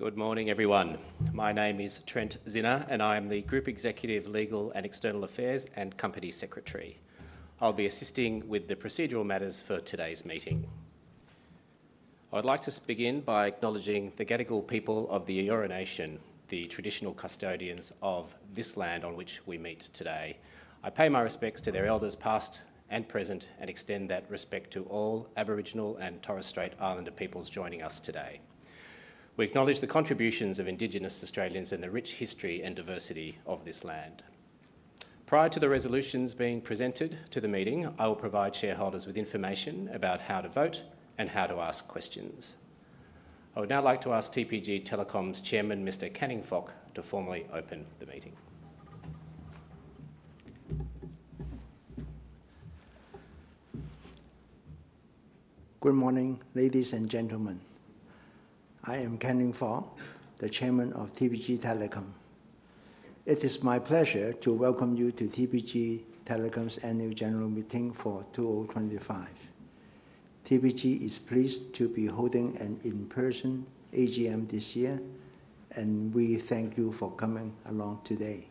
Good morning, everyone. My name is Trent Czinner, and I am the Group Executive Legal and External Affairs and Company Secretary. I'll be assisting with the procedural matters for today's meeting. I'd like to begin by acknowledging the Gadigal people of the Eora Nation, the traditional custodians of this land on which we meet today. I pay my respects to their elders past and present, and extend that respect to all Aboriginal and Torres Strait Islander peoples joining us today. We acknowledge the contributions of Indigenous Australians and the rich history and diversity of this land. Prior to the resolutions being presented to the meeting, I will provide shareholders with information about how to vote and how to ask questions. I would now like to ask TPG Telecom's Chairman, Mr. Canning Fok, to formally open the meeting. Good morning, ladies and gentlemen. I am Canning Fok, the Chairman of TPG Telecom. It is my pleasure to welcome you to TPG Telecom's Annual General Meeting for 2025. TPG is pleased to be holding an in-person AGM this year, and we thank you for coming along today.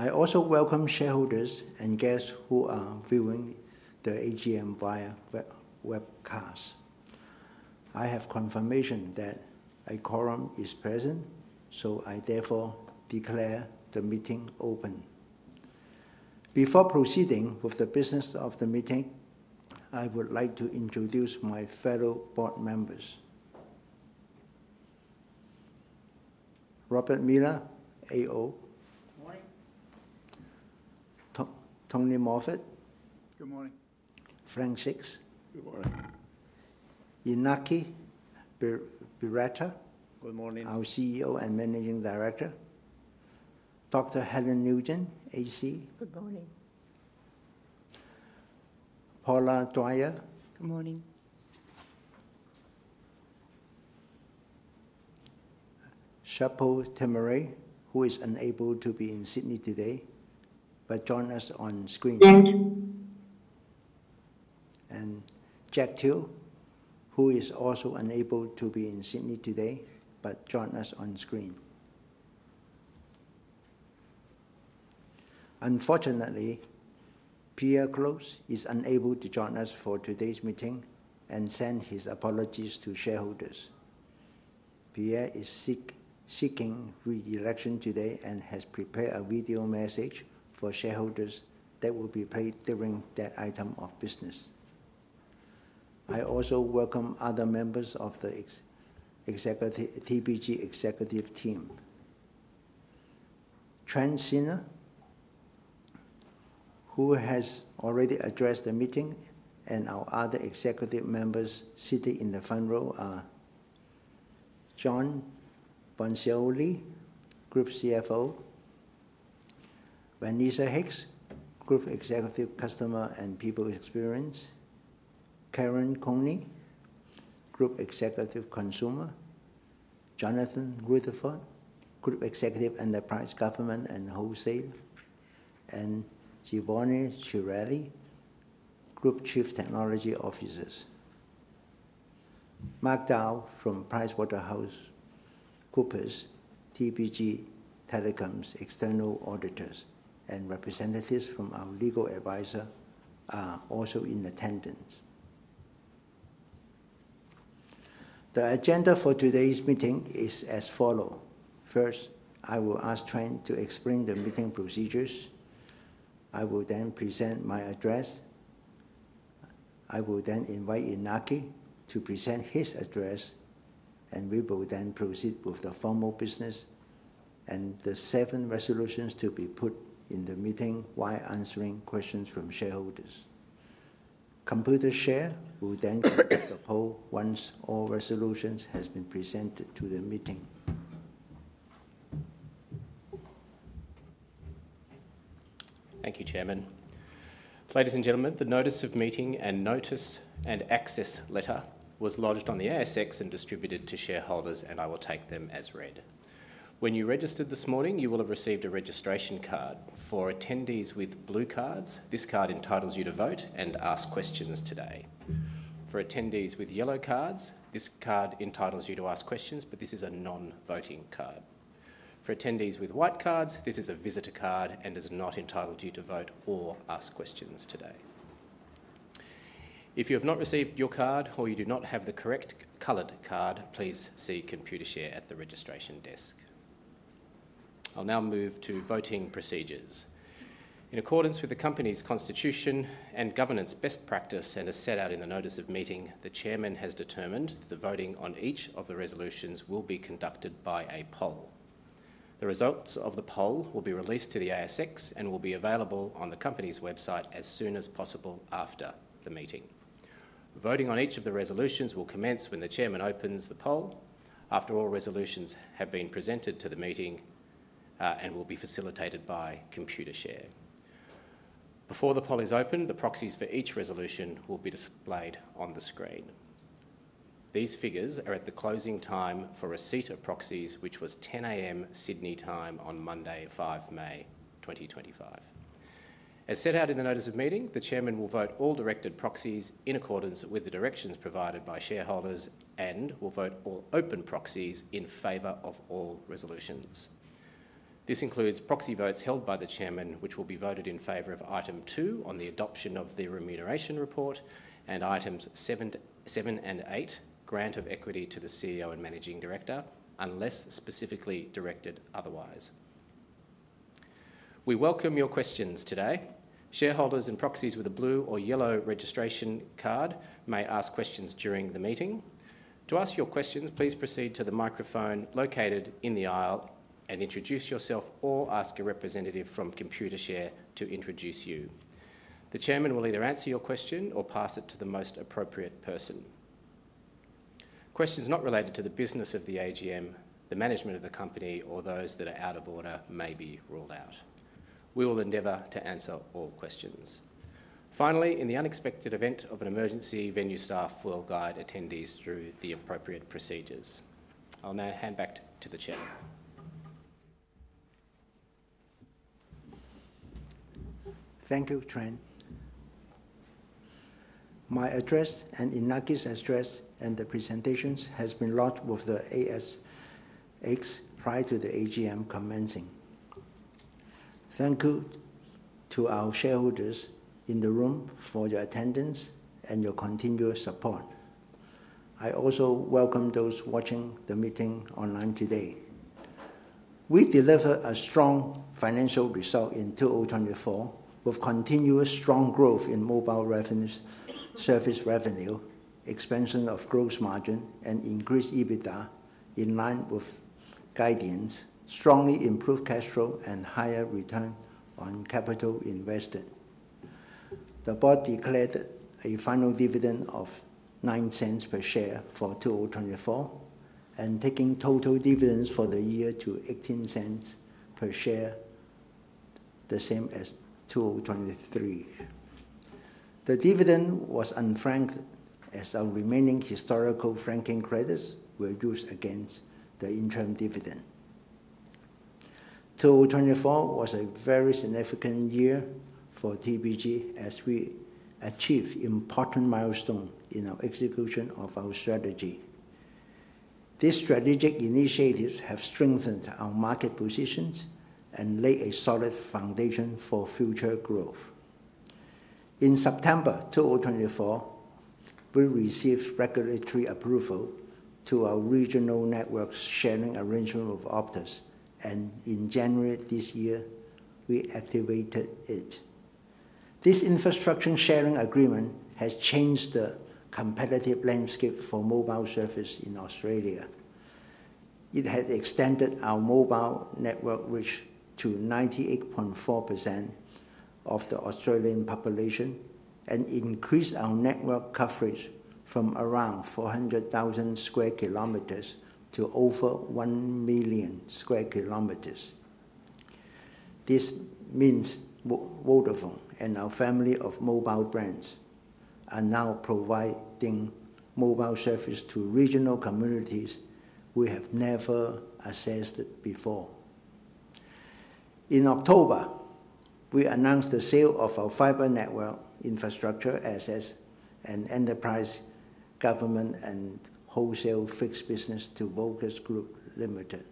I also welcome shareholders and guests who are viewing the AGM via webcast. I have confirmation that a quorum is present, so I therefore declare the meeting open. Before proceeding with the business of the meeting, I would like to introduce my fellow board members. Robert Millner, AO. Good morning. Tony Moffatt. Good morning. Frank Sixt. Good morning. Iñaki Berroeta. Good morning. Our CEO and Managing Director, Dr. Helen Nugent, AC. Good morning. Paula Dwyer. Good morning. Chappell Temeray, who is unable to be in Sydney today, but joins us on screen. Jack Teoh, who is also unable to be in Sydney today, but joins us on screen. Unfortunately, Pierre Klotz is unable to join us for today's meeting and sends his apologies to shareholders. Pierre is seeking re-election today and has prepared a video message for shareholders that will be played during that item of business. I also welcome other members of the TPG executive team. Trent Czinner, who has already addressed the meeting, and our other executive members seated in the front row are John Boniciolli, Group CFO; Vanessa Hicks, Group Executive Customer and People Experience; Kieren Cooney, Group Executive Consumer; Jonathan Rutherford, Group Executive Enterprise, Government and Wholesale; and Giovanni Chiarelli, Group Chief Technology Officer. Mark Dow from PricewaterhouseCoopers, TPG Telecom's external auditors, and representatives from our legal advisor are also in attendance. The agenda for today's meeting is as follows. First, I will ask Trent to explain the meeting procedures. I will then present my address. I will then invite Iñaki to present his address, and we will then proceed with the formal business and the seven resolutions to be put in the meeting while answering questions from shareholders. Computershare will then conduct the poll once all resolutions have been presented to the meeting. Thank you, Chairman. Ladies and gentlemen, the Notice of Meeting and Notice and Access Letter was lodged on the ASX and distributed to shareholders, and I will take them as read. When you registered this morning, you will have received a registration card. For attendees with blue cards, this card entitles you to vote and ask questions today. For attendees with yellow cards, this card entitles you to ask questions, but this is a non-voting card. For attendees with white cards, this is a visitor card and does not entitle you to vote or ask questions today. If you have not received your card or you do not have the correct colored card, please see Computershare at the registration desk. I'll now move to voting procedures. In accordance with the company's constitution and governance best practice, and as set out in the Notice of Meeting, the Chairman has determined that the voting on each of the resolutions will be conducted by a poll. The results of the poll will be released to the ASX and will be available on the company's website as soon as possible after the meeting. Voting on each of the resolutions will commence when the Chairman opens the poll. After all resolutions have been presented to the meeting and will be facilitated by Computershare. Before the poll is open, the proxies for each resolution will be displayed on the screen. These figures are at the closing time for receipt of proxies, which was 10:00 A.M. Sydney time on Monday, 5 May 2025. As set out in the Notice of Meeting, the Chairman will vote all directed proxies in accordance with the directions provided by shareholders and will vote all open proxies in favor of all resolutions. This includes proxy votes held by the Chairman, which will be voted in favor of item two on the adoption of the remuneration report and items seven and eight, grant of equity to the CEO and Managing Director, unless specifically directed otherwise. We welcome your questions today. Shareholders and proxies with a blue or yellow registration card may ask questions during the meeting. To ask your questions, please proceed to the microphone located in the aisle and introduce yourself or ask a representative from Computershare to introduce you. The Chairman will either answer your question or pass it to the most appropriate person. Questions not related to the business of the AGM, the management of the company, or those that are out of order may be ruled out. We will endeavor to answer all questions. Finally, in the unexpected event of an emergency, venue staff will guide attendees through the appropriate procedures. I'll now hand back to the Chairman. Thank you, Trent. My address and Iñaki's address and the presentations have been lodged with the ASX prior to the AGM commencing. Thank you to our shareholders in the room for your attendance and your continuous support. I also welcome those watching the meeting online today. We deliver a strong financial result in 2024 with continuous strong growth in mobile service revenue, expansion of gross margin, and increased EBITDA in line with guidance, strongly improved cash flow, and higher return on capital invested. The board declared a final dividend of 0.09 per share for 2024 and taking total dividends for the year to 0.18 per share, the same as 2023. The dividend was unfranked as our remaining historical franking credits were used against the interim dividend. 2024 was a very significant year for TPG as we achieved important milestones in our execution of our strategy. These strategic initiatives have strengthened our market positions and laid a solid foundation for future growth. In September 2024, we received regulatory approval to our regional network sharing arrangement with Optus, and in January this year, we activated it. This infrastructure sharing agreement has changed the competitive landscape for mobile service in Australia. It has extended our mobile network reach to 98.4% of the Australian population and increased our network coverage from around 400,000 sq km to over 1 million sq km. This means Vodafone and our family of mobile brands are now providing mobile service to regional communities we have never accessed before. In October, we announced the sale of our fiber network infrastructure as an enterprise, government, and wholesale fixed business to Vocus Group Limited,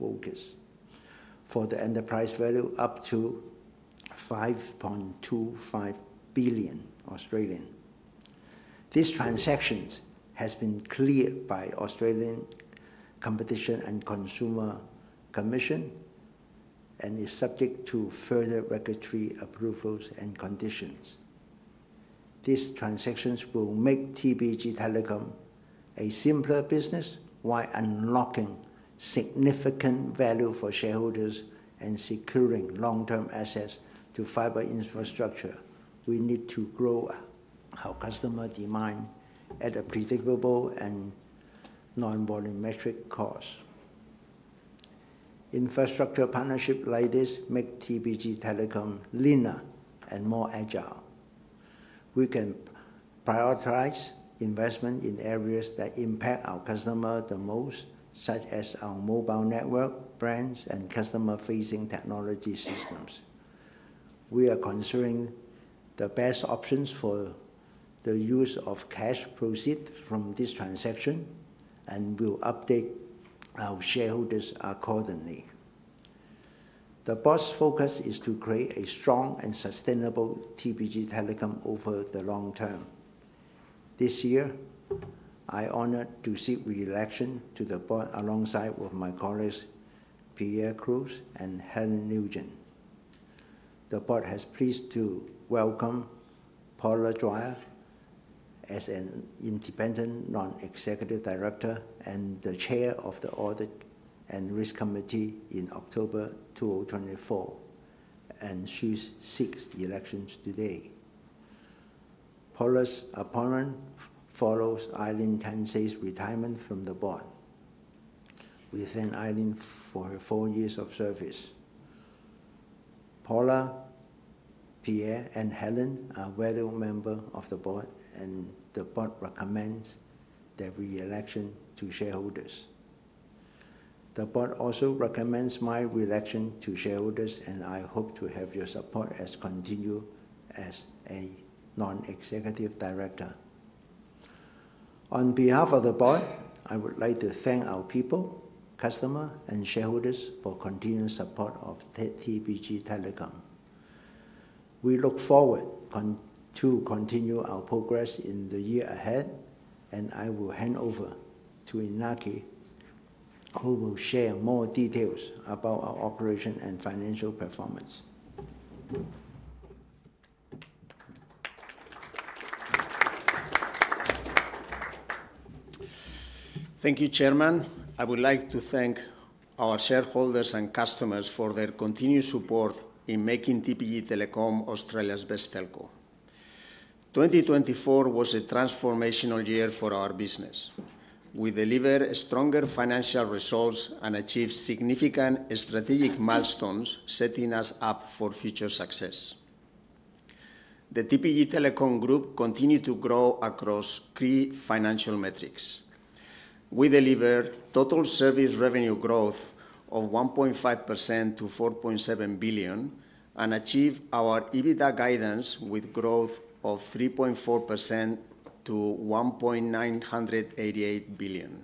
Vocus, for the enterprise value up to 5.25 billion. This transaction has been cleared by the Australian Competition and Consumer Commission and is subject to further regulatory approvals and conditions. These transactions will make TPG Telecom a simpler business while unlocking significant value for shareholders and securing long-term assets to fiber infrastructure. We need to grow our customer demand at a predictable and non-volumetric cost. Infrastructure partnerships like this make TPG Telecom leaner and more agile. We can prioritize investment in areas that impact our customers the most, such as our mobile network, brands, and customer-facing technology systems. We are considering the best options for the use of cash proceeds from this transaction, and we'll update our shareholders accordingly. The board's focus is to create a strong and sustainable TPG Telecom over the long term. This year, I'm honored to seek re-election to the board alongside my colleagues Pierre Close and Helen Nugent. The board has pleased to welcome Paula Dwyer as an independent non-executive director and the Chair of the Audit and Risk Committee in October 2024, and she's seeking election today. Paula's appointment follows Arlene Tansey's retirement from the board. We thank Arlene for her four years of service. Paula, Pierre, and Helen are valued members of the board, and the board recommends their re-election to shareholders. The board also recommends my re-election to shareholders, and I hope to have your support as continued as a non-executive director. On behalf of the board, I would like to thank our people, customers, and shareholders for continued support of TPG Telecom. We look forward to continuing our progress in the year ahead, and I will hand over to Iñaki, who will share more details about our operations and financial performance. Thank you, Chairman. I would like to thank our shareholders and customers for their continued support in making TPG Telecom Australia's best telco. 2024 was a transformational year for our business. We delivered stronger financial results and achieved significant strategic milestones, setting us up for future success. The TPG Telecom Group continued to grow across three financial metrics. We delivered total service revenue growth of 1.5% to 4.7 billion and achieved our EBITDA guidance with growth of 3.4% to 1.988 billion.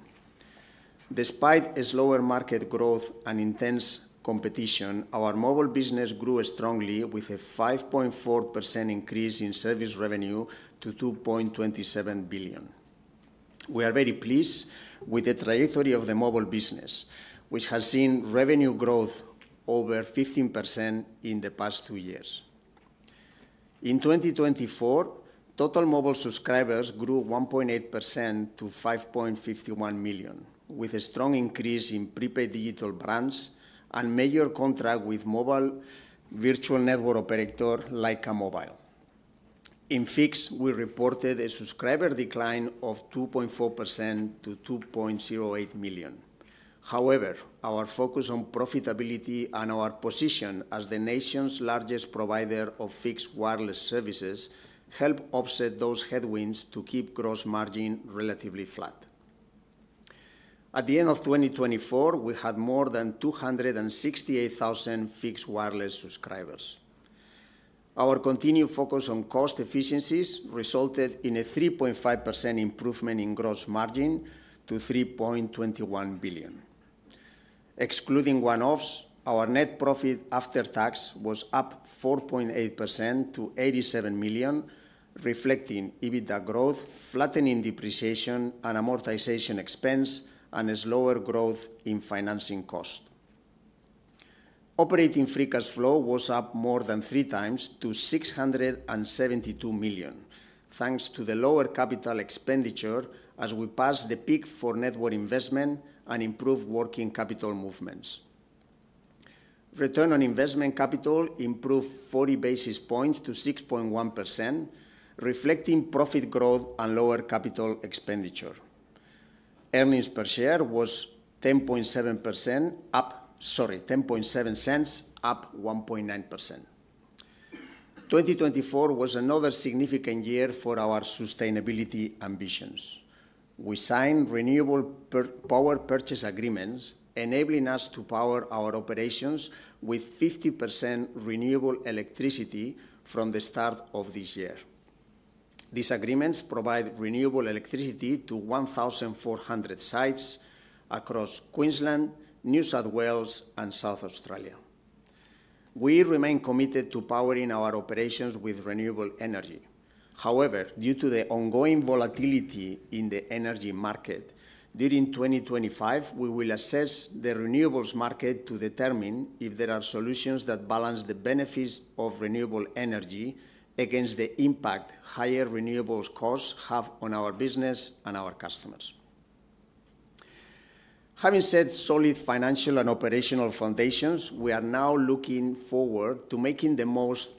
Despite slower market growth and intense competition, our mobile business grew strongly with a 5.4% increase in service revenue to 2.27 billion. We are very pleased with the trajectory of the mobile business, which has seen revenue growth of over 15% in the past two years. In 2024, total mobile subscribers grew 1.8% to 5.51 million, with a strong increase in prepaid digital brands and major contracts with mobile virtual network operators like CARMOBILE. In fixed, we reported a subscriber decline of 2.4% to 2.08 million. However, our focus on profitability and our position as the nation's largest provider of fixed wireless services helped offset those headwinds to keep gross margin relatively flat. At the end of 2024, we had more than 268,000 fixed wireless subscribers. Our continued focus on cost efficiencies resulted in a 3.5% improvement in gross margin to 3.21 billion. Excluding one-offs, our net profit after tax was up 4.8% to 87 million, reflecting EBITDA growth, flattening depreciation and amortization expense, and slower growth in financing cost. Operating free cash flow was up more than three times to 672 million, thanks to the lower capital expenditure as we passed the peak for network investment and improved working capital movements. Return on investment capital improved 40 basis points to 6.1%, reflecting profit growth and lower capital expenditure. Earnings per share was 10.7%, up 1.9%. 2024 was another significant year for our sustainability ambitions. We signed renewable power purchase agreements, enabling us to power our operations with 50% renewable electricity from the start of this year. These agreements provide renewable electricity to 1,400 sites across Queensland, New South Wales, and South Australia. We remain committed to powering our operations with renewable energy. However, due to the ongoing volatility in the energy market, during 2025, we will assess the renewables market to determine if there are solutions that balance the benefits of renewable energy against the impact higher renewables costs have on our business and our customers. Having set solid financial and operational foundations, we are now looking forward to making the most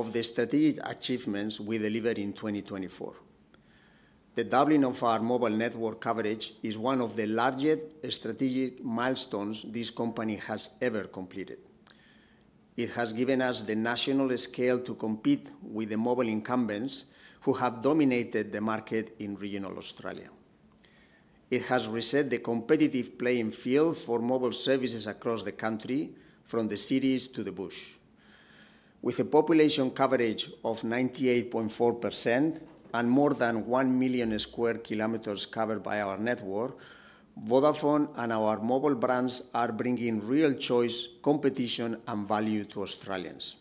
of the strategic achievements we delivered in 2024. The doubling of our mobile network coverage is one of the largest strategic milestones this company has ever completed. It has given us the national scale to compete with the mobile incumbents who have dominated the market in regional Australia. It has reset the competitive playing field for mobile services across the country, from the cities to the bush. With a population coverage of 98.4% and more than 1 million sq km covered by our network, Vodafone and our mobile brands are bringing real choice, competition, and value to Australians.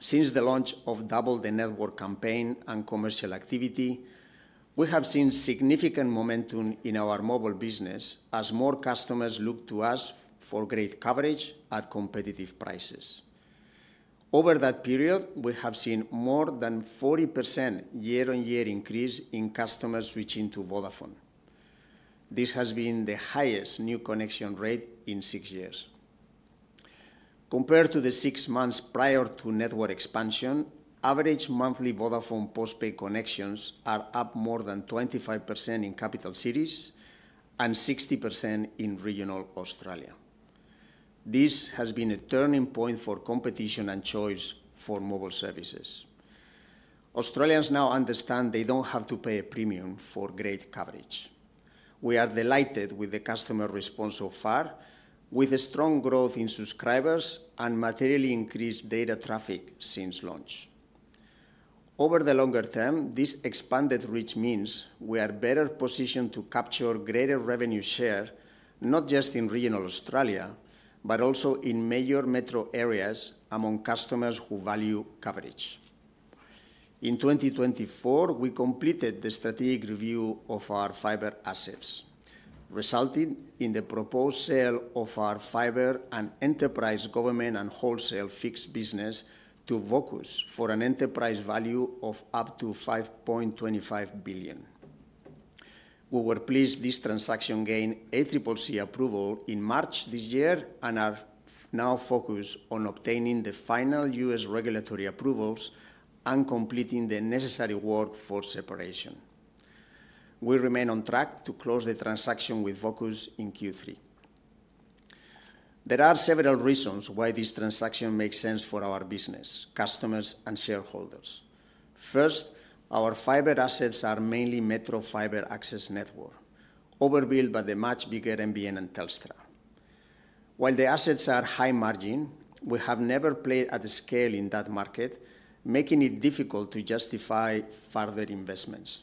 Since the launch of Double the Network campaign and commercial activity, we have seen significant momentum in our mobile business as more customers look to us for great coverage at competitive prices. Over that period, we have seen more than a 40% year-on-year increase in customers switching to Vodafone. This has been the highest new connection rate in six years. Compared to the six months prior to network expansion, average monthly Vodafone postpaid connections are up more than 25% in capital cities and 60% in regional Australia. This has been a turning point for competition and choice for mobile services. Australians now understand they do not have to pay a premium for great coverage. We are delighted with the customer response so far, with strong growth in subscribers and materially increased data traffic since launch. Over the longer term, this expanded reach means we are better positioned to capture greater revenue share, not just in regional Australia, but also in major metro areas among customers who value coverage. In 2024, we completed the strategic review of our fiber assets, resulting in the proposed sale of our fiber and enterprise government and wholesale fixed business to Vocus for an enterprise value of up to 5.25 billion. We were pleased this transaction gained ACCC approval in March this year and are now focused on obtaining the final U.S. regulatory approvals and completing the necessary work for separation. We remain on track to close the transaction with Vocus in Q3. There are several reasons why this transaction makes sense for our business, customers, and shareholders. First, our fiber assets are mainly Metro Fiber Access Network, overbuilt by the much bigger NBN and Telstra. While the assets are high margin, we have never played at a scale in that market, making it difficult to justify further investments.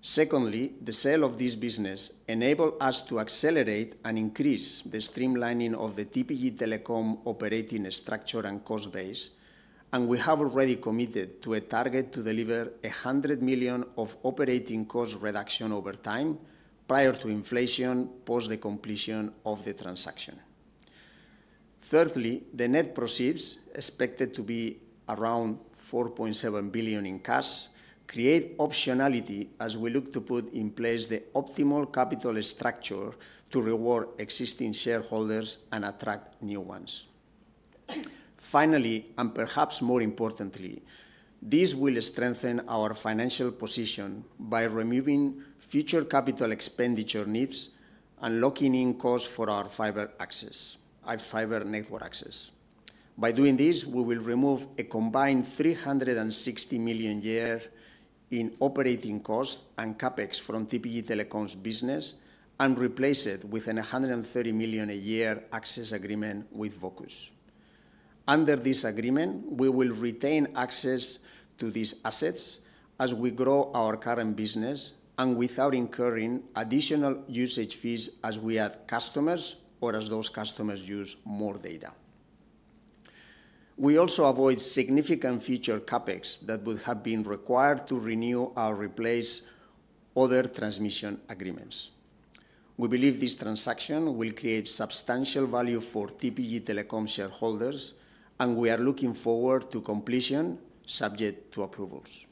Secondly, the sale of this business enabled us to accelerate and increase the streamlining of the TPG Telecom operating structure and cost base, and we have already committed to a target to deliver 100 million of operating cost reduction over time prior to inflation post the completion of the transaction. Thirdly, the net proceeds, expected to be around 4.7 billion in cash, create optionality as we look to put in place the optimal capital structure to reward existing shareholders and attract new ones. Finally, and perhaps more importantly, this will strengthen our financial position by removing future capital expenditure needs and locking in costs for our fiber access, fiber network access. By doing this, we will remove a combined 360 million a year in operating costs and capex from TPG Telecom's business and replace it with a 130 million a year access agreement with Vocus. Under this agreement, we will retain access to these assets as we grow our current business and without incurring additional usage fees as we add customers or as those customers use more data. We also avoid significant future capex that would have been required to renew or replace other transmission agreements. We believe this transaction will create substantial value for TPG Telecom shareholders, and we are looking forward to completion subject to approvals.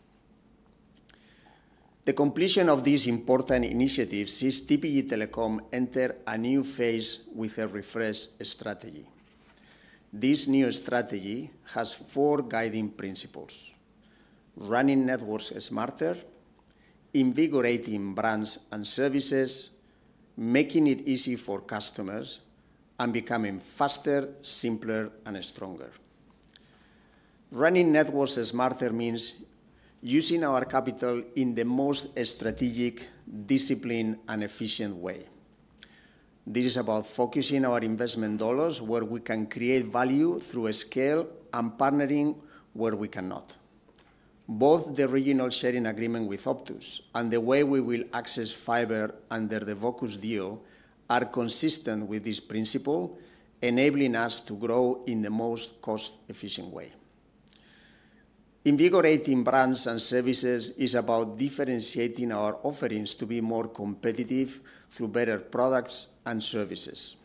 The completion of these important initiatives sees TPG Telecom enter a new phase with a refreshed strategy. This new strategy has four guiding principles: running networks smarter, invigorating brands and services, making it easy for customers, and becoming faster, simpler, and stronger. Running networks smarter means using our capital in the most strategic, disciplined, and efficient way. This is about focusing our investment dollars where we can create value through scale and partnering where we cannot. Both the regional sharing agreement with Optus and the way we will access fiber under the Vocus deal are consistent with this principle, enabling us to grow in the most cost-efficient way. Invigorating brands and services is about differentiating our offerings to be more competitive through better products and services.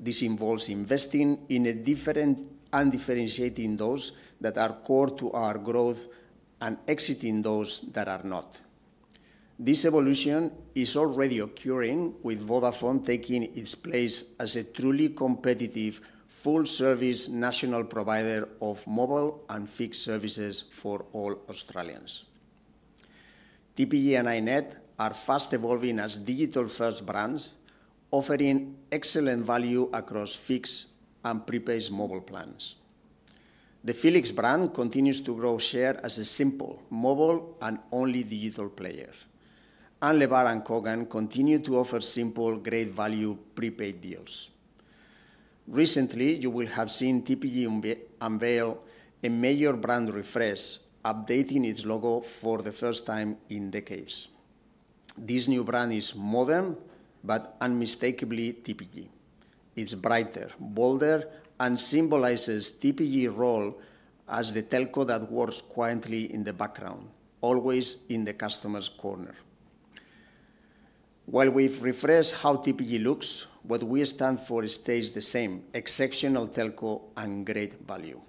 This involves investing in different and differentiating those that are core to our growth and exiting those that are not. This evolution is already occurring, with Vodafone taking its place as a truly competitive, full-service national provider of mobile and fixed services for all Australians. TPG and iiNet are fast evolving as digital-first brands, offering excellent value across fixed and prepaid mobile plans. The Felix brand continues to grow share as a simple, mobile, and only digital player, and Lebara and Coogan continue to offer simple, great-value prepaid deals. Recently, you will have seen TPG unveil a major brand refresh, updating its logo for the first time in decades. This new brand is modern but unmistakably TPG. It's brighter, bolder, and symbolizes TPG's role as the telco that works quietly in the background, always in the customer's corner. While we've refreshed how TPG looks, what we stand for stays the same: exceptional telco and great value.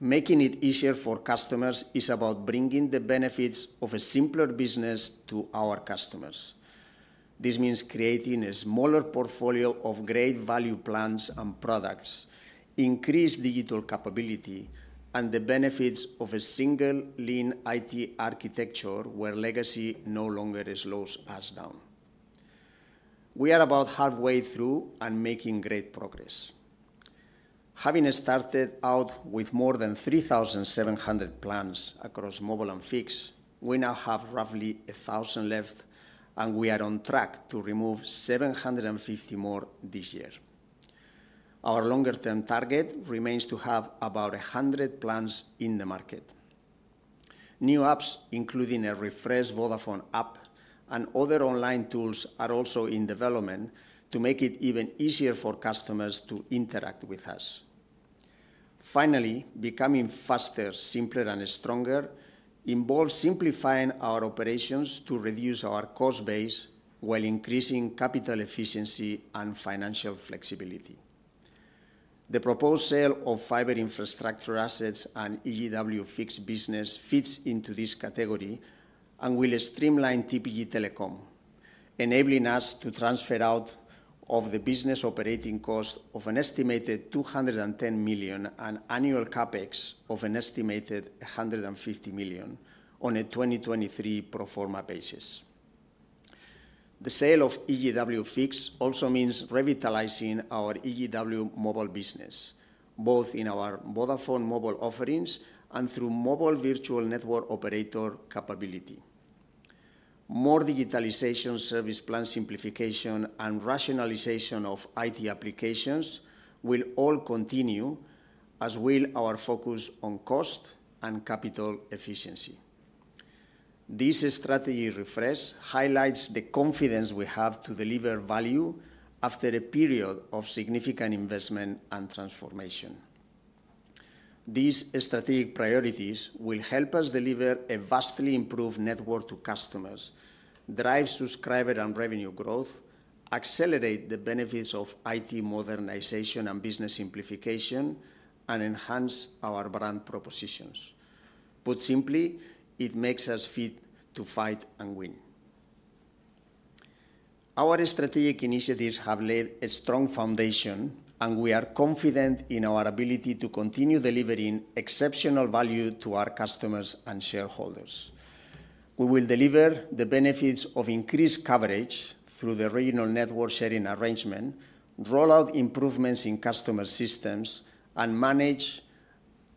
Making it easier for customers is about bringing the benefits of a simpler business to our customers. This means creating a smaller portfolio of great-value plans and products, increased digital capability, and the benefits of a single lean IT architecture where legacy no longer slows us down. We are about halfway through and making great progress. Having started out with more than 3,700 plans across mobile and fixed, we now have roughly 1,000 left, and we are on track to remove 750 more this year. Our longer-term target remains to have about 100 plans in the market. New apps, including a refreshed Vodafone app and other online tools, are also in development to make it even easier for customers to interact with us. Finally, becoming faster, simpler, and stronger involves simplifying our operations to reduce our cost base while increasing capital efficiency and financial flexibility. The proposed sale of fiber infrastructure assets and EGW fixed business fits into this category and will streamline TPG Telecom, enabling us to transfer out of the business operating cost of an estimated 210 million and annual CapEx of an estimated 150 million on a 2023 proforma basis. The sale of EGW fixed also means revitalizing our EGW mobile business, both in our Vodafone mobile offerings and through mobile virtual network operator capability. More digitalization, service plan simplification, and rationalization of IT applications will all continue, as will our focus on cost and capital efficiency. This strategy refresh highlights the confidence we have to deliver value after a period of significant investment and transformation. These strategic priorities will help us deliver a vastly improved network to customers, drive subscriber and revenue growth, accelerate the benefits of IT modernization and business simplification, and enhance our brand propositions. Put simply, it makes us fit to fight and win. Our strategic initiatives have laid a strong foundation, and we are confident in our ability to continue delivering exceptional value to our customers and shareholders. We will deliver the benefits of increased coverage through the regional network sharing arrangement, rollout improvements in customer systems, and manage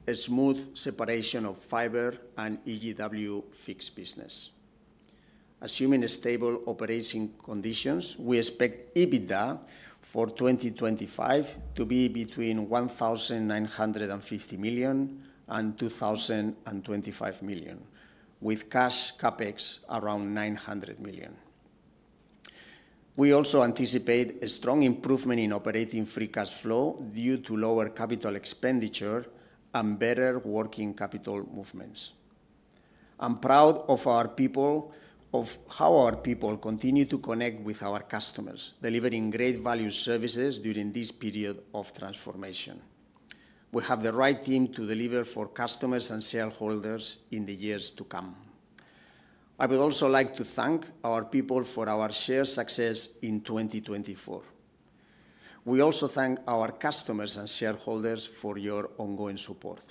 a smooth separation of fiber and EGW fixed business. Assuming stable operating conditions, we expect EBITDA for 2025 to be between 1,950 million and 2,025 million, with cash CapEx around 900 million. We also anticipate a strong improvement in operating free cash flow due to lower capital expenditure and better working capital movements. I'm proud of our people, of how our people continue to connect with our customers, delivering great-value services during this period of transformation. We have the right team to deliver for customers and shareholders in the years to come. I would also like to thank our people for our shared success in 2024. We also thank our customers and shareholders for your ongoing support.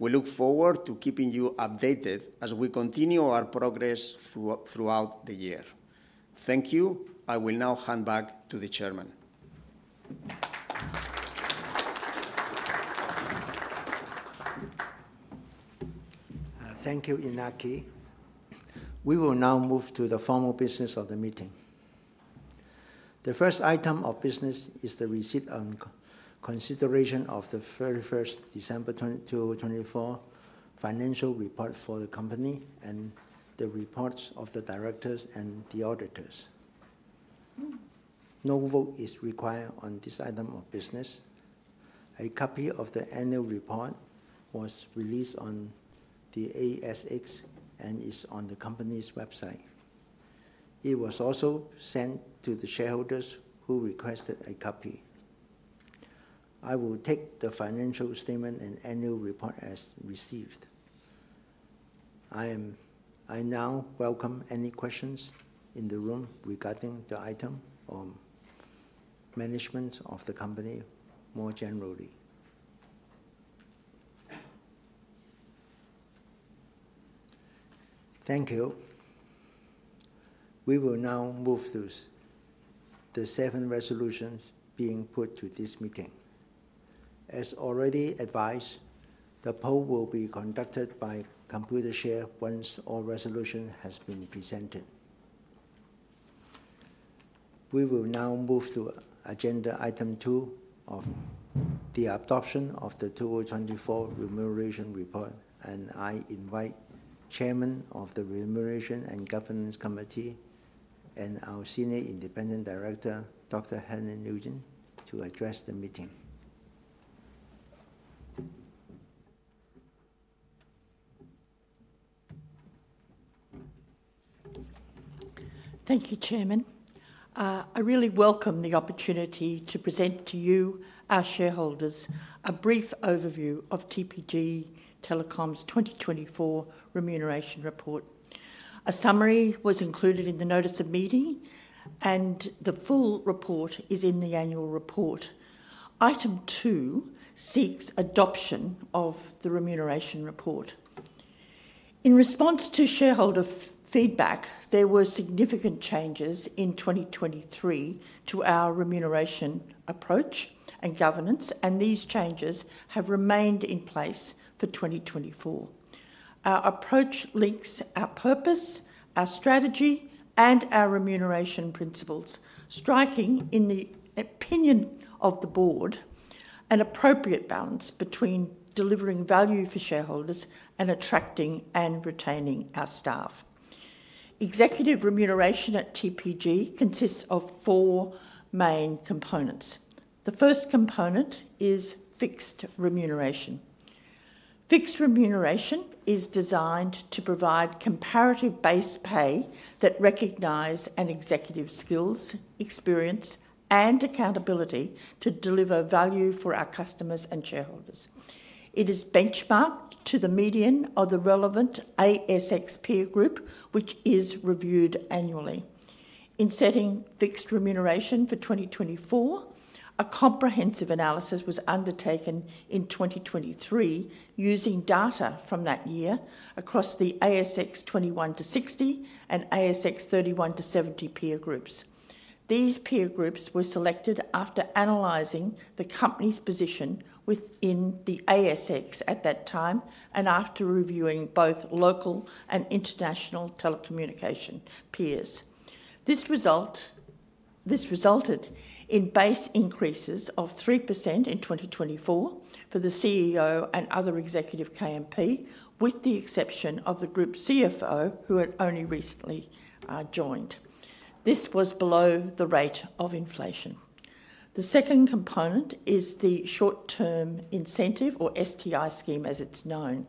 We look forward to keeping you updated as we continue our progress throughout the year. Thank you. I will now hand back to the Chairman. Thank you, Iñaki. We will now move to the formal business of the meeting. The first item of business is the receipt and consideration of the 31 December 2024 financial report for the company and the reports of the directors and the auditors. No vote is required on this item of business. A copy of the annual report was released on the ASX and is on the company's website. It was also sent to the shareholders who requested a copy. I will take the financial statement and annual report as received. I now welcome any questions in the room regarding the item or management of the company more generally. Thank you. We will now move to the seven resolutions being put to this meeting. As already advised, the poll will be conducted by Computershare once all resolutions have been presented. We will now move to agenda item two of the adoption of the 2024 remuneration report, and I invite Chairman of the Remuneration and Governance Committee and our Senior Independent Director, Dr. Helen Nugent, to address the meeting. Thank you, Chairman. I really welcome the opportunity to present to you, our shareholders, a brief overview of TPG Telecom's 2024 remuneration report. A summary was included in the notice of meeting, and the full report is in the annual report. Item two seeks adoption of the remuneration report. In response to shareholder feedback, there were significant changes in 2023 to our remuneration approach and governance, and these changes have remained in place for 2024. Our approach links our purpose, our strategy, and our remuneration principles, striking in the opinion of the board an appropriate balance between delivering value for shareholders and attracting and retaining our staff. Executive remuneration at TPG consists of four main components. The first component is fixed remuneration. Fixed remuneration is designed to provide comparative base pay that recognizes executive skills, experience, and accountability to deliver value for our customers and shareholders. It is benchmarked to the median of the relevant ASX peer group, which is reviewed annually. In setting fixed remuneration for 2024, a comprehensive analysis was undertaken in 2023 using data from that year across the ASX 21-60 and ASX 31-70 peer groups. These peer groups were selected after analyzing the company's position within the ASX at that time and after reviewing both local and international telecommunication peers. This resulted in base increases of 3% in 2024 for the CEO and other executive KMP, with the exception of the Group CFO, who had only recently joined. This was below the rate of inflation. The second component is the short-term incentive, or STI scheme as it's known.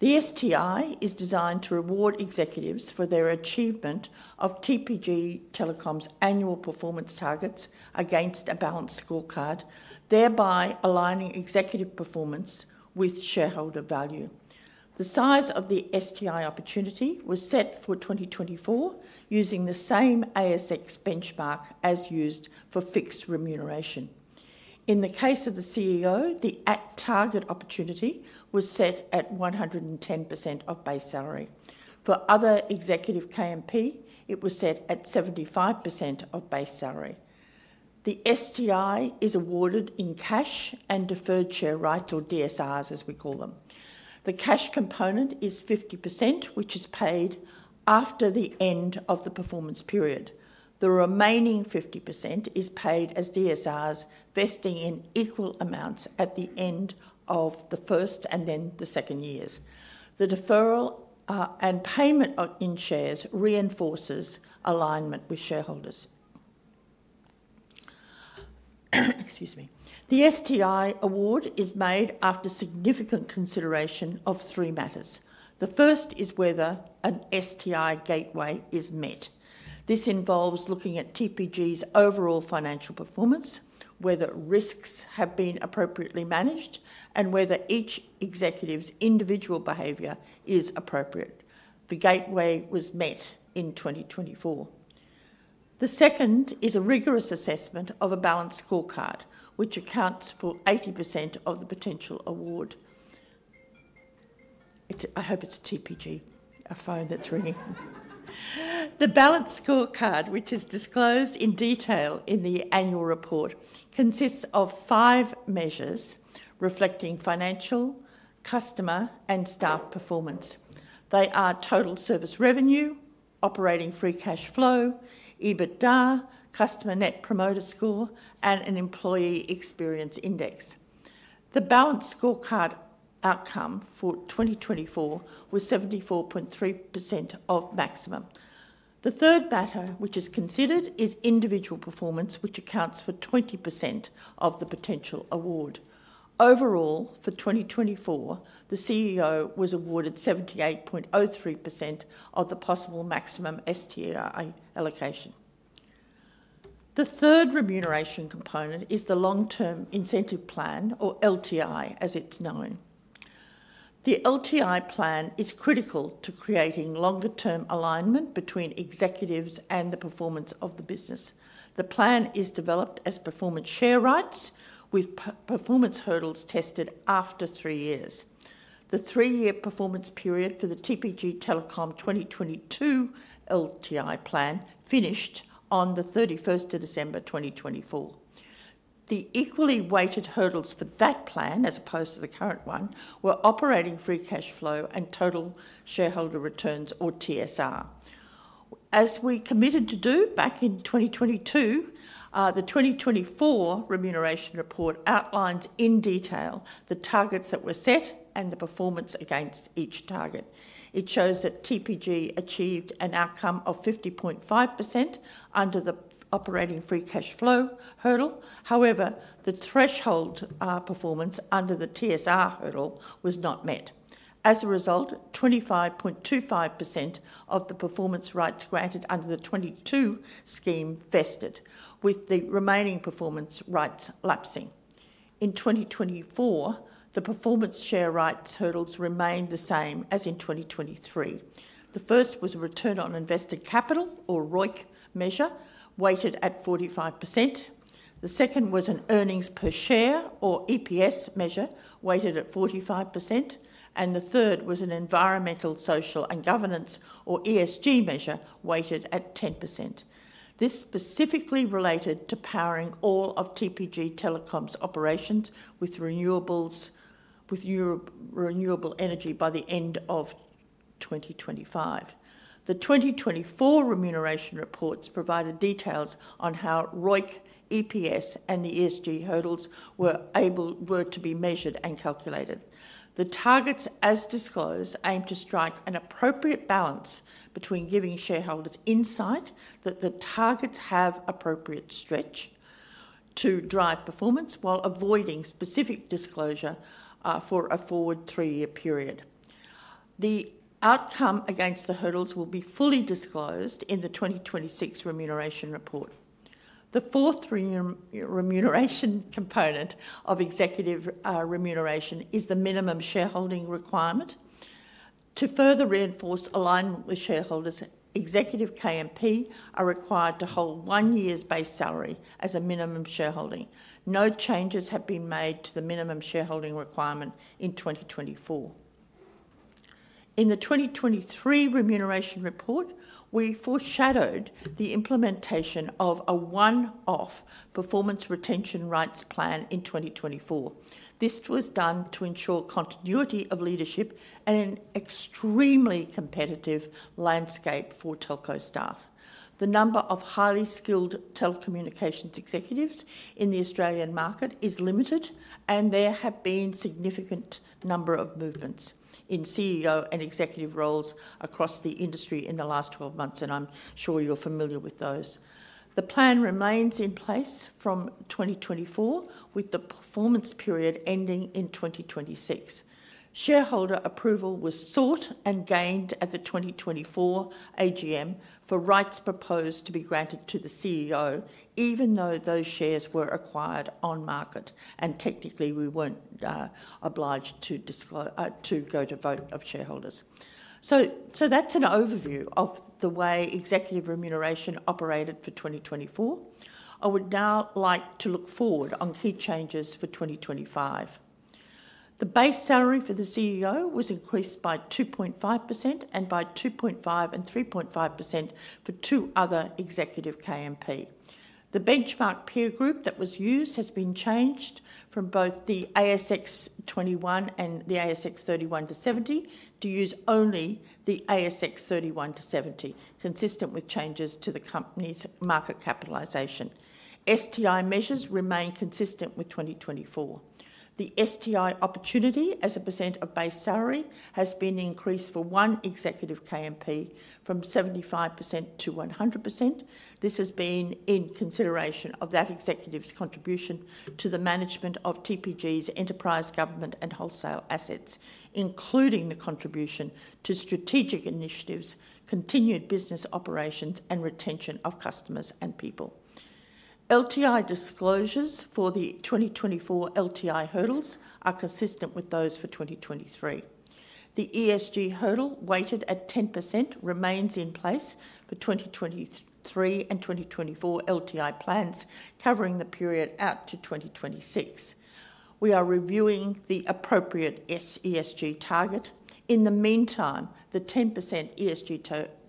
The STI is designed to reward executives for their achievement of TPG Telecom's annual performance targets against a balanced scorecard, thereby aligning executive performance with shareholder value. The size of the STI opportunity was set for 2024 using the same ASX benchmark as used for fixed remuneration. In the case of the CEO, the target opportunity was set at 110% of base salary. For other executive KMP, it was set at 75% of base salary. The STI is awarded in cash and deferred share rights, or DSRs, as we call them. The cash component is 50%, which is paid after the end of the performance period. The remaining 50% is paid as DSRs, vesting in equal amounts at the end of the first and then the second years. The deferral and payment in shares reinforces alignment with shareholders. Excuse me. The STI award is made after significant consideration of three matters. The first is whether an STI gateway is met. This involves looking at TPG's overall financial performance, whether risks have been appropriately managed, and whether each executive's individual behavior is appropriate. The gateway was met in 2024. The second is a rigorous assessment of a balanced scorecard, which accounts for 80% of the potential award. I hope it's a TPG phone that's ringing. The balanced scorecard, which is disclosed in detail in the annual report, consists of five measures reflecting financial, customer, and staff performance. They are total service revenue, operating free cash flow, EBITDA, customer net promoter score, and an employee experience index. The balanced scorecard outcome for 2024 was 74.3% of maximum. The third matter which is considered is individual performance, which accounts for 20% of the potential award. Overall, for 2024, the CEO was awarded 78.03% of the possible maximum STI allocation. The third remuneration component is the long-term incentive plan, or LTI, as it's known. The LTI plan is critical to creating longer-term alignment between executives and the performance of the business. The plan is developed as performance share rights, with performance hurdles tested after three years. The three-year performance period for the TPG Telecom 2022 LTI plan finished on the 31st of December 2024. The equally weighted hurdles for that plan, as opposed to the current one, were operating free cash flow and total shareholder returns, or TSR. As we committed to do back in 2022, the 2024 remuneration report outlines in detail the targets that were set and the performance against each target. It shows that TPG achieved an outcome of 50.5% under the operating free cash flow hurdle. However, the threshold performance under the TSR hurdle was not met. As a result, 25.25% of the performance rights granted under the 2022 scheme vested, with the remaining performance rights lapsing. In 2024, the performance share rights hurdles remained the same as in 2023. The first was a return on invested capital, or ROIC measure, weighted at 45%. The second was an earnings per share, or EPS measure, weighted at 45%. The third was an environmental, social, and governance, or ESG measure, weighted at 10%. This specifically related to powering all of TPG Telecom's operations with renewable energy by the end of 2025. The 2024 remuneration reports provided details on how ROIC, EPS, and the ESG hurdles were to be measured and calculated. The targets, as disclosed, aim to strike an appropriate balance between giving shareholders insight that the targets have appropriate stretch to drive performance while avoiding specific disclosure for a forward three-year period. The outcome against the hurdles will be fully disclosed in the 2026 remuneration report. The fourth remuneration component of executive remuneration is the minimum shareholding requirement. To further reinforce alignment with shareholders, executive KMP are required to hold one year's base salary as a minimum shareholding. No changes have been made to the minimum shareholding requirement in 2024. In the 2023 remuneration report, we foreshadowed the implementation of a one-off performance retention rights plan in 2024. This was done to ensure continuity of leadership and an extremely competitive landscape for telco staff. The number of highly skilled telecommunications executives in the Australian market is limited, and there have been a significant number of movements in CEO and executive roles across the industry in the last 12 months, and I'm sure you're familiar with those. The plan remains in place from 2024, with the performance period ending in 2026. Shareholder approval was sought and gained at the 2024 AGM for rights proposed to be granted to the CEO, even though those shares were acquired on market. Technically, we were not obliged to go to vote of shareholders. That is an overview of the way executive remuneration operated for 2024. I would now like to look forward on key changes for 2025. The base salary for the CEO was increased by 2.5% and by 2.5% and 3.5% for two other executive KMP. The benchmark peer group that was used has been changed from both the ASX 21 and the ASX 31-70 to use only the ASX 31-70, consistent with changes to the company's market capitalization. STI measures remain consistent with 2024. The STI opportunity as a percent of base salary has been increased for one executive KMP from 75% to 100%. This has been in consideration of that executive's contribution to the management of TPG's enterprise government and wholesale assets, including the contribution to strategic initiatives, continued business operations, and retention of customers and people. LTI disclosures for the 2024 LTI hurdles are consistent with those for 2023. The ESG hurdle weighted at 10% remains in place for 2023 and 2024 LTI plans covering the period out to 2026. We are reviewing the appropriate ESG target. In the meantime, the 10% ESG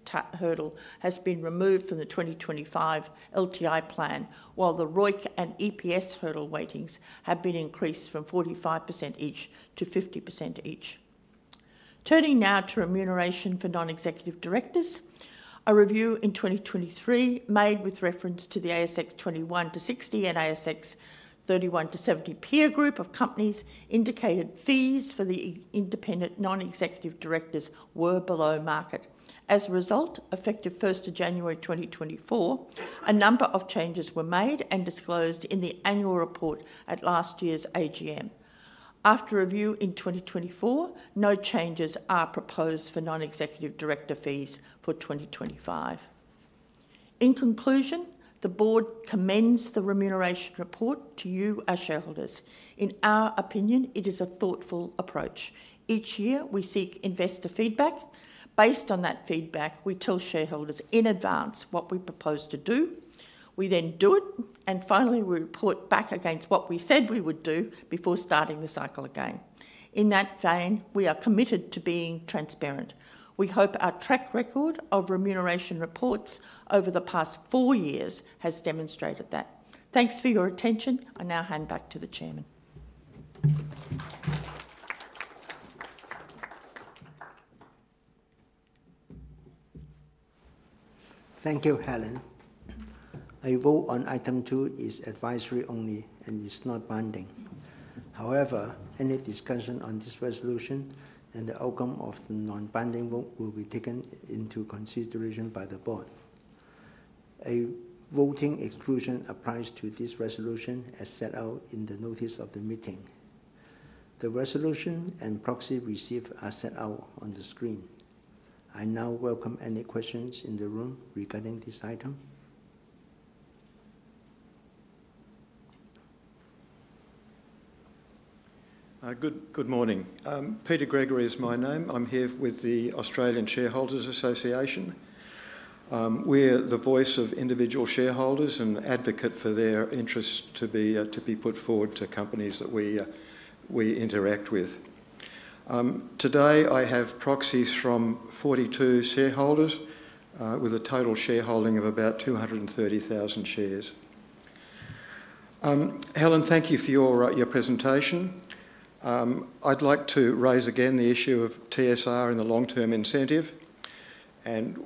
hurdle has been removed from the 2025 LTI plan, while the ROIC and EPS hurdle weightings have been increased from 45% each to 50% each. Turning now to remuneration for non-executive directors, a review in 2023 made with reference to the ASX 21-60 and ASX 31-70 peer group of companies indicated fees for the independent non-executive directors were below market. As a result, effective 1st of January 2024, a number of changes were made and disclosed in the annual report at last year's AGM. After review in 2024, no changes are proposed for non-executive director fees for 2025. In conclusion, the board commends the remuneration report to you as shareholders. In our opinion, it is a thoughtful approach. Each year, we seek investor feedback. Based on that feedback, we tell shareholders in advance what we propose to do. We then do it, and finally, we report back against what we said we would do before starting the cycle again. In that vein, we are committed to being transparent. We hope our track record of remuneration reports over the past four years has demonstrated that. Thanks for your attention. I now hand back to the Chairman. Thank you, Helen. A vote on item two is advisory only and is not binding. However, any discussion on this resolution and the outcome of the non-binding vote will be taken into consideration by the board. A voting exclusion applies to this resolution as set out in the notice of the meeting. The resolution and proxy receipt are set out on the screen. I now welcome any questions in the room regarding this item. Good morning. Peter Gregory is my name. I'm here with the Australian Shareholders Association. We're the voice of individual shareholders and advocate for their interests to be put forward to companies that we interact with. Today, I have proxies from 42 shareholders with a total shareholding of about 230,000 shares. Helen, thank you for your presentation. I'd like to raise again the issue of TSI and the long-term incentive.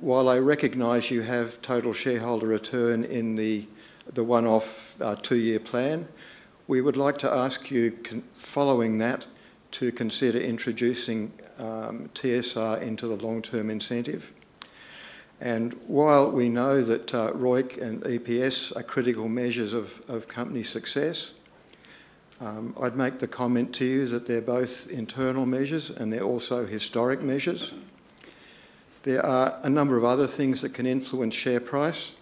While I recognize you have total shareholder return in the one-off two-year plan, we would like to ask you, following that, to consider introducing TSI into the long-term incentive. While we know that ROIC and EPS are critical measures of company success, I'd make the comment to you that they're both internal measures and they're also historic measures. There are a number of other things that can influence share price,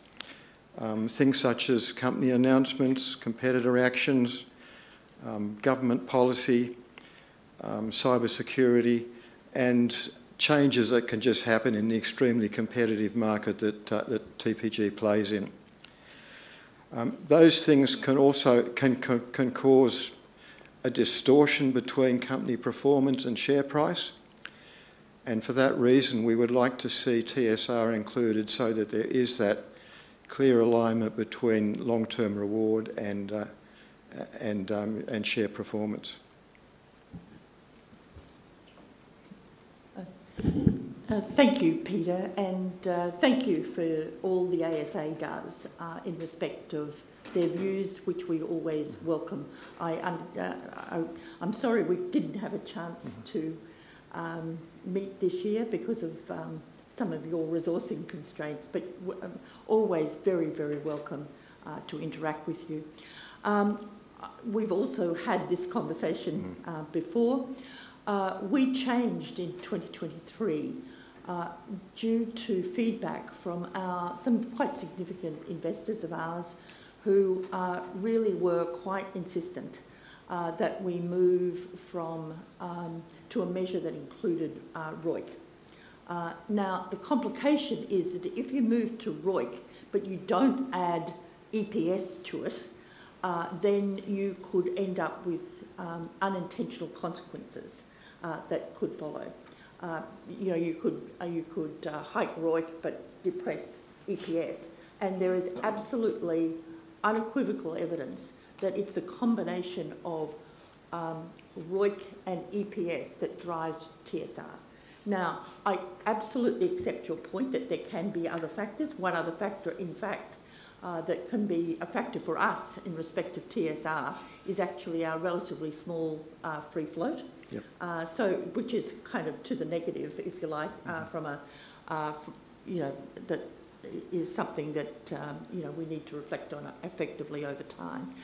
things such as company announcements, competitor actions, government policy, cybersecurity, and changes that can just happen in the extremely competitive market that TPG plays in. Those things can also cause a distortion between company performance and share price. For that reason, we would like to see TSI included so that there is that clear alignment between long-term reward and share performance. Thank you, Peter. Thank you for all the ASA guys in respect of their views, which we always welcome. I'm sorry we didn't have a chance to meet this year because of some of your resourcing constraints, but always very, very welcome to interact with you. We've also had this conversation before. We changed in 2023 due to feedback from some quite significant investors of ours who really were quite insistent that we move to a measure that included ROIC. Now, the complication is that if you move to ROIC, but you do not add EPS to it, then you could end up with unintentional consequences that could follow. You could hike ROIC but depress EPS. There is absolutely unequivocal evidence that it is the combination of ROIC and EPS that drives TSI. I absolutely accept your point that there can be other factors. One other factor, in fact, that can be a factor for us in respect of TSI is actually our relatively small free float, which is kind of to the negative, if you like, from a that is something that we need to reflect on effectively over time.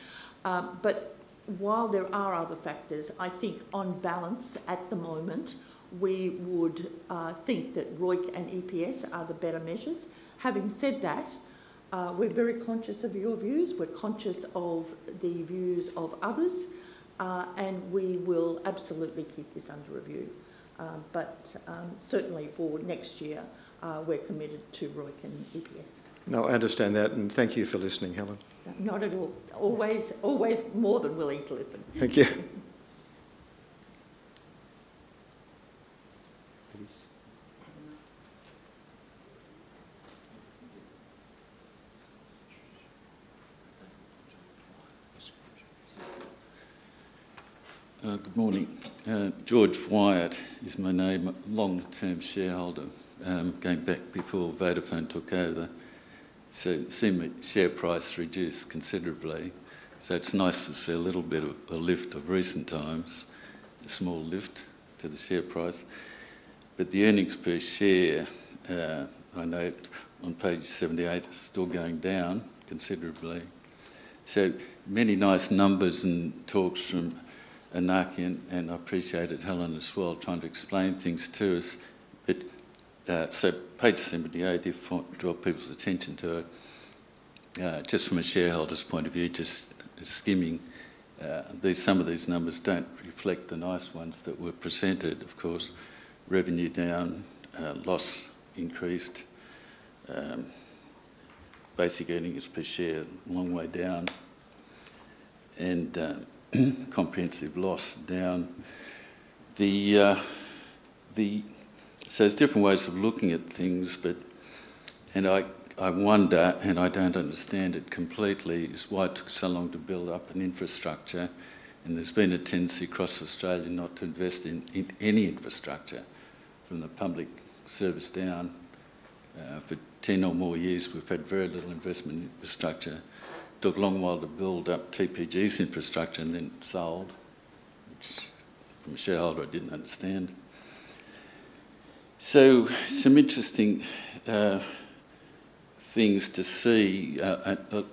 But while there are other factors, I think on balance, at the moment, we would think that ROIC and EPS are the better measures. Having said that, we're very conscious of your views. We're conscious of the views of others, and we will absolutely keep this under review. Certainly for next year, we're committed to ROIC and EPS. No, I understand that. And thank you for listening, Helen. Not at all. Always more than willing to listen. Thank you. Good morning. George Wyatt is my name, long-term shareholder. Came back before Vodafone took over. You've seen the share price reduce considerably. It's nice to see a little bit of a lift of recent times, a small lift to the share price. The earnings per share, I know on page 78, is still going down considerably. So many nice numbers and talks from Iñaki, and I appreciated Helen as well trying to explain things to us. Page 78, if I draw people's attention to it, just from a shareholder's point of view, just skimming, some of these numbers do not reflect the nice ones that were presented, of course. Revenue down, loss increased. Basic earnings per share, long way down, and comprehensive loss down. There are different ways of looking at things, but I wonder, and I do not understand it completely, why it took so long to build up an infrastructure. There has been a tendency across Australia not to invest in any infrastructure from the public service down. For 10 or more years, we have had very little investment in infrastructure. It took a long while to build up TPG's infrastructure and then sold, which from a shareholder, I did not understand. Some interesting things to see,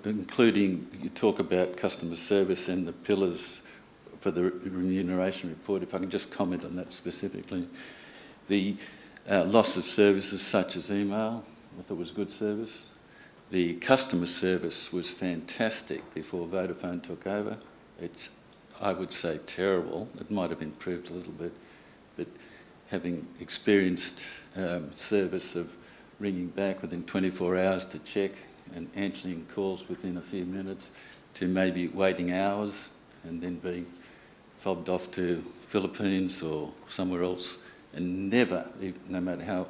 including you talk about customer service and the pillars for the remuneration report. If I can just comment on that specifically. The loss of services such as email, I thought was good service. The customer service was fantastic before Vodafone took over. It's, I would say, terrible. It might have improved a little bit. Having experienced service of ringing back within 24 hours to check and answering calls within a few minutes to maybe waiting hours and then being fobbed off to the Philippines or somewhere else. Never, no matter how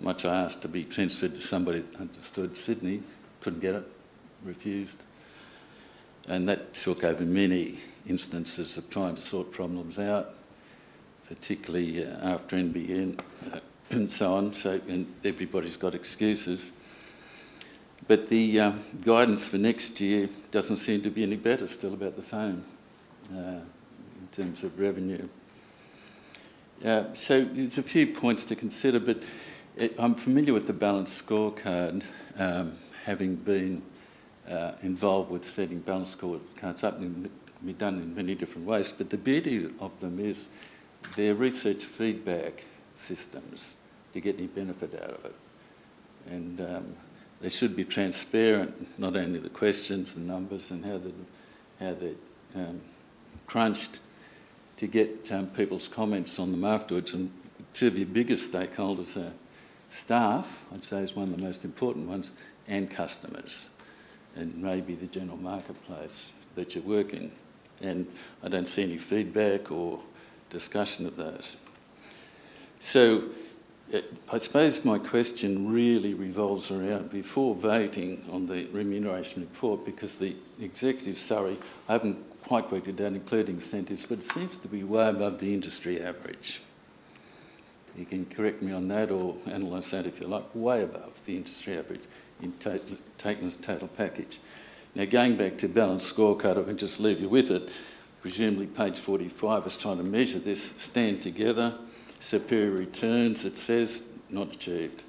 much I asked to be transferred to somebody that understood Sydney, couldn't get it, refused. That took over many instances of trying to sort problems out, particularly after NBN and so on. Everybody's got excuses. The guidance for next year does not seem to be any better, still about the same in terms of revenue. There are a few points to consider, but I am familiar with the balance scorecard. Having been involved with setting balance scorecards, it has been done in many different ways. The beauty of them is their research feedback systems to get any benefit out of it. They should be transparent, not only the questions, the numbers, and how they are crunched to get people's comments on them afterwards. Two of your biggest stakeholders are staff, I would say is one of the most important ones, and customers, and maybe the general marketplace that you are working in. I do not see any feedback or discussion of those. I suppose my question really revolves around before voting on the remuneration report, because the executive summary, I haven't quite worked it out, including incentives, but it seems to be way above the industry average. You can correct me on that or analyze that if you like, way above the industry average in total package. Now, going back to balance scorecard, I can just leave you with it. Presumably, page 45 is trying to measure this. Stand together, superior returns, it says, not achieved.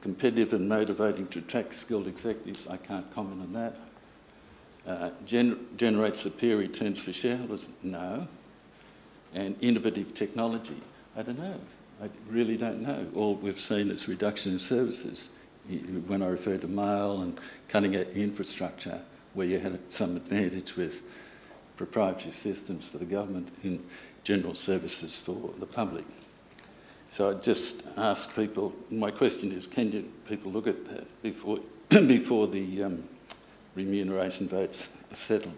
Competitive and motivating to attract skilled executives, I can't comment on that. Generate superior returns for shareholders, no. And innovative technology, I don't know. I really don't know. All we've seen is reduction in services. When I refer to Mail and cutting out infrastructure, where you had some advantage with proprietary systems for the government and general services for the public. I just ask people, my question is, can people look at that before the remuneration votes are settled?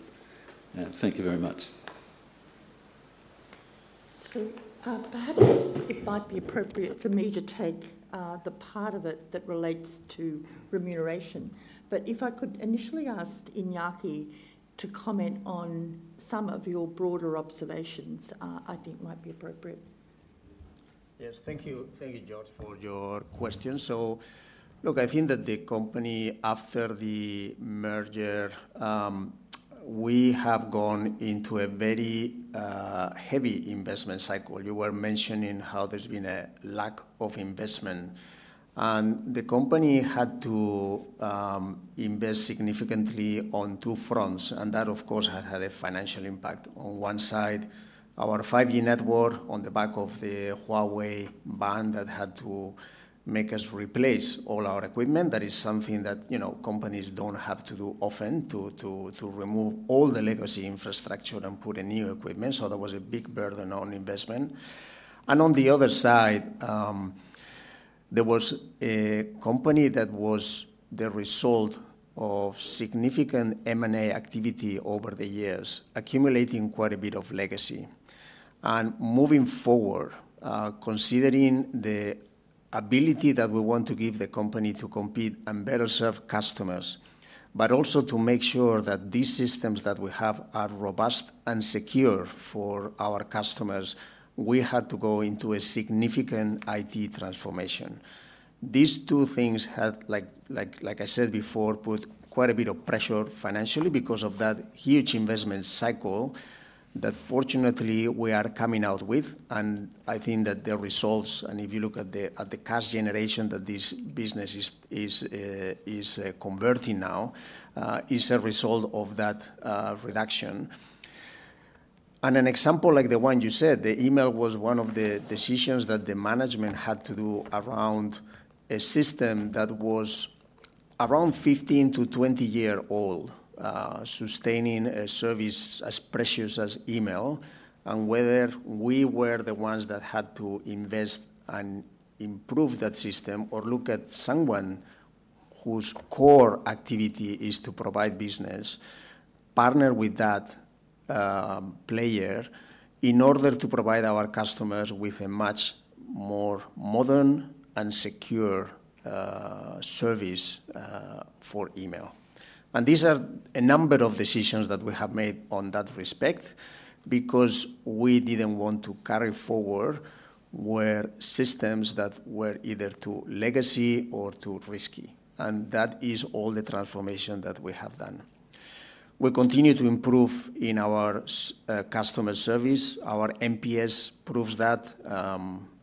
Thank you very much. Perhaps it might be appropriate for me to take the part of it that relates to remuneration. If I could initially ask Iñaki to comment on some of your broader observations, I think that might be appropriate. Yes, thank you, George, for your question. Look, I think that the company, after the merger, we have gone into a very heavy investment cycle. You were mentioning how there's been a lack of investment. The company had to invest significantly on two fronts. That, of course, has had a financial impact. On one side, our 5G network on the back of the Huawei band that had to make us replace all our equipment. That is something that companies do not have to do often to remove all the legacy infrastructure and put in new equipment. That was a big burden on investment. On the other side, there was a company that was the result of significant M&A activity over the years, accumulating quite a bit of legacy. Moving forward, considering the ability that we want to give the company to compete and better serve customers, but also to make sure that these systems that we have are robust and secure for our customers, we had to go into a significant IT transformation. These two things, like I said before, put quite a bit of pressure financially because of that huge investment cycle that, fortunately, we are coming out with. I think that the results, and if you look at the cash generation that this business is converting now, is a result of that reduction. An example like the one you said, the email was one of the decisions that the management had to do around a system that was around 15-20 years old, sustaining a service as precious as email. Whether we were the ones that had to invest and improve that system or look at someone whose core activity is to provide business, partner with that player in order to provide our customers with a much more modern and secure service for email. These are a number of decisions that we have made on that respect because we did not want to carry forward where systems that were either too legacy or too risky. That is all the transformation that we have done. We continue to improve in our customer service. Our NPS proves that.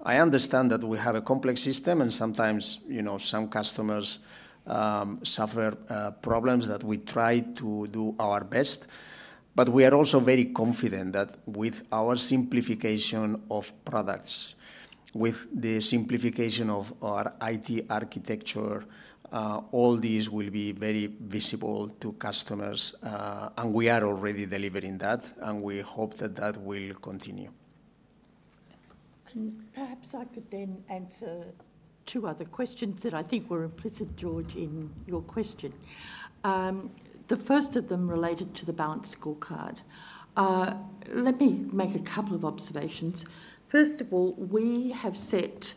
I understand that we have a complex system and sometimes some customers suffer problems that we try to do our best. We are also very confident that with our simplification of products, with the simplification of our IT architecture, all these will be very visible to customers. We are already delivering that, and we hope that will continue. Perhaps I could then answer two other questions that I think were implicit, George, in your question. The first of them related to the balance scorecard. Let me make a couple of observations. First of all, we have set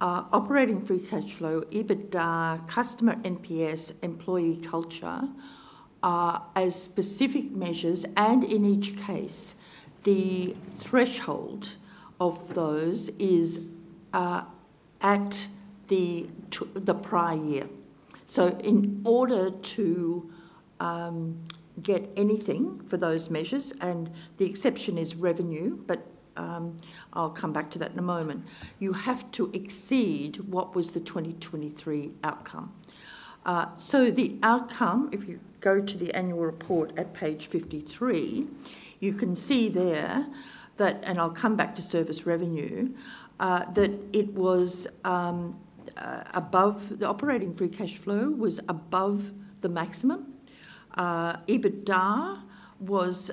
operating free cash flow, EBITDA, customer NPS, employee culture as specific measures. In each case, the threshold of those is at the prior year. In order to get anything for those measures, and the exception is revenue, but I'll come back to that in a moment, you have to exceed what was the 2023 outcome. The outcome, if you go to the annual report at page 53, you can see there that, and I'll come back to service revenue, that it was above, the operating free cash flow was above the maximum. EBITDA was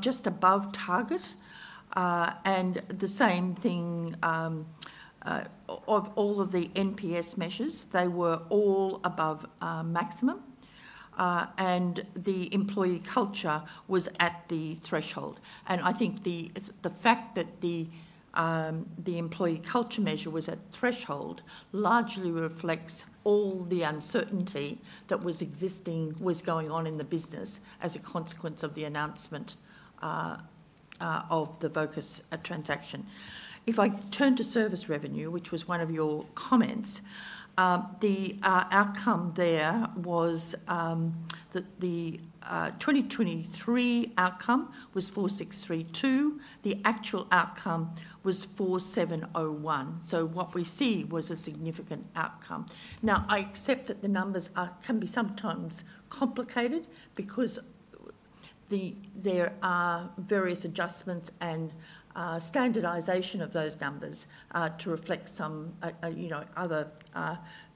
just above target. The same thing of all of the NPS measures, they were all above maximum. The employee culture was at the threshold. I think the fact that the employee culture measure was at threshold largely reflects all the uncertainty that was going on in the business as a consequence of the announcement of the Vocus transaction. If I turn to service revenue, which was one of your comments, the outcome there was that the 2023 outcome was 4,632. The actual outcome was 4,701. What we see was a significant outcome. I accept that the numbers can be sometimes complicated because there are various adjustments and standardization of those numbers to reflect some other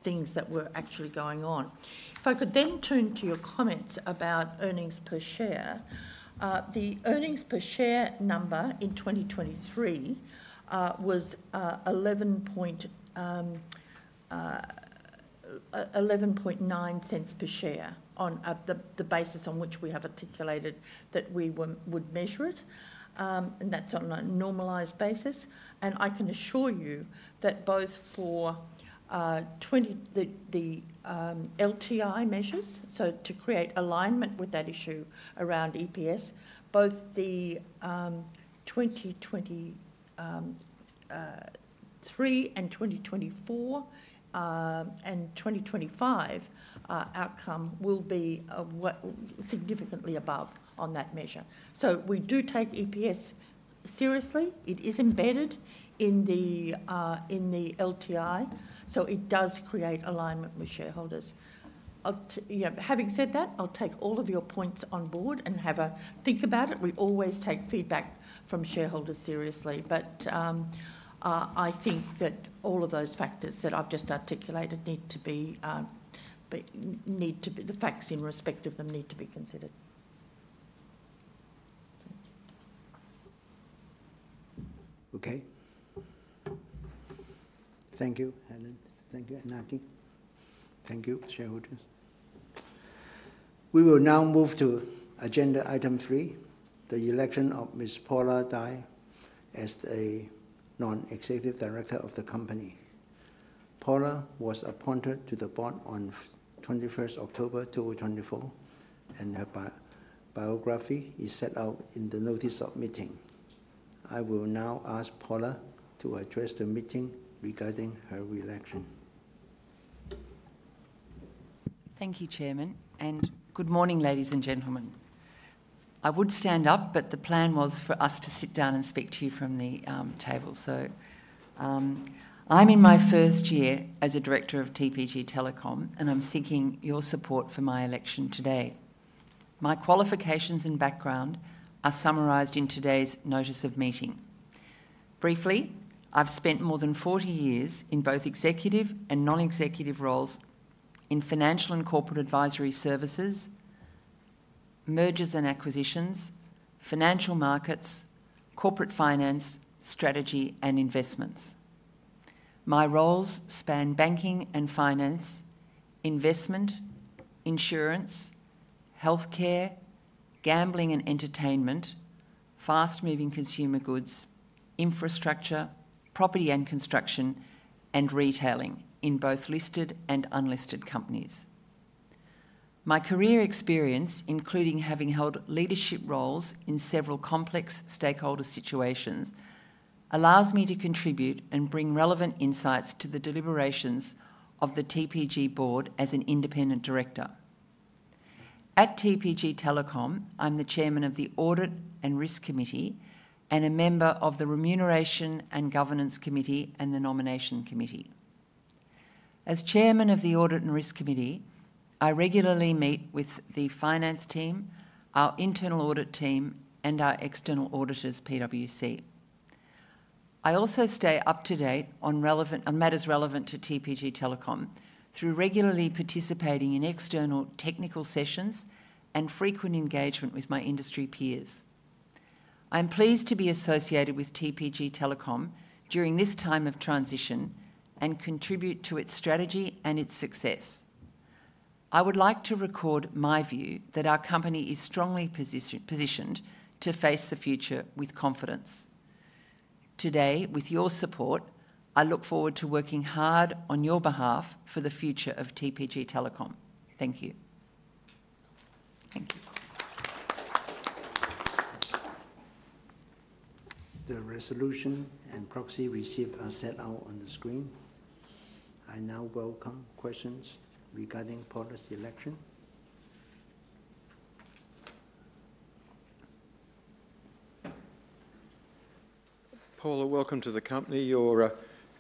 things that were actually going on. If I could then turn to your comments about earnings per share, the earnings per share number in 2023 was 0.119 per share on the basis on which we have articulated that we would measure it. That is on a normalized basis. I can assure you that both for the LTI measures, to create alignment with that issue around EPS, both the 2023 and 2024 and 2025 outcome will be significantly above on that measure. We do take EPS seriously. It is embedded in the LTI, so it does create alignment with shareholders. Having said that, I'll take all of your points on board and have a think about it. We always take feedback from shareholders seriously. I think that all of those factors that I've just articulated, the facts in respect of them need to be considered. Okay. Thank you, Helen. Thank you, Iñaki. Thank you, shareholders. We will now move to agenda item three, the election of Ms. Paula Dwyer as the non-executive director of the company. Paula was appointed to the board on 21st October 2024, and her biography is set out in the notice of meeting. I will now ask Paula to address the meeting regarding her re-election. Thank you, Chairman. And good morning, ladies and gentlemen. I would stand up, but the plan was for us to sit down and speak to you from the table. So I'm in my first year as a director of TPG Telecom, and I'm seeking your support for my election today. My qualifications and background are summarized in today's notice of meeting. Briefly, I've spent more than 40 years in both executive and non-executive roles in financial and corporate advisory services, mergers and acquisitions, financial markets, corporate finance, strategy, and investments. My roles span banking and finance, investment, insurance, healthcare, gambling and entertainment, fast-moving consumer goods, infrastructure, property and construction, and retailing in both listed and unlisted companies. My career experience, including having held leadership roles in several complex stakeholder situations, allows me to contribute and bring relevant insights to the deliberations of the TPG board as an independent director. At TPG Telecom, I'm the Chairman of the Audit and Risk Committee and a member of the Remuneration and Governance Committee and the Nomination Committee. As Chairman of the Audit and Risk Committee, I regularly meet with the finance team, our internal audit team, and our external auditors, PwC. I also stay up to date on matters relevant to TPG Telecom through regularly participating in external technical sessions and frequent engagement with my industry peers. I'm pleased to be associated with TPG Telecom during this time of transition and contribute to its strategy and its success. I would like to record my view that our company is strongly positioned to face the future with confidence. Today, with your support, I look forward to working hard on your behalf for the future of TPG Telecom. Thank you. Thank you. The resolution and proxy receipt are set out on the screen. I now welcome questions regarding Paula's election. Paula, welcome to the company. Your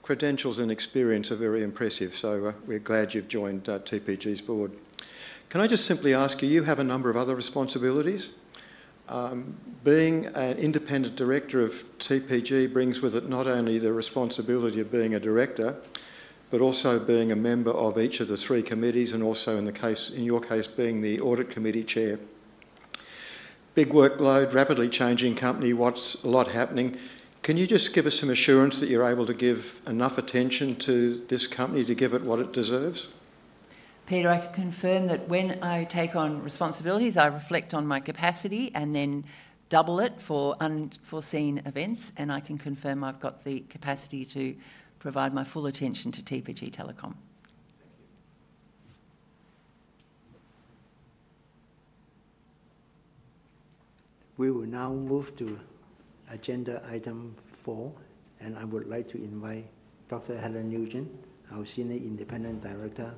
credentials and experience are very impressive, so we're glad you've joined TPG's board. Can I just simply ask you, you have a number of other responsibilities. Being an independent director of TPG brings with it not only the responsibility of being a director, but also being a member of each of the three committees and also, in your case, being the Audit Committee Chair. Big workload, rapidly changing company, lots happening. Can you just give us some assurance that you're able to give enough attention to this company to give it what it deserves? Peter, I can confirm that when I take on responsibilities, I reflect on my capacity and then double it for unforeseen events. I can confirm I've got the capacity to provide my full attention to TPG Telecom. Thank you. We will now move to agenda item four, and I would like to invite Dr. Helen Nugent, our Senior Independent Director,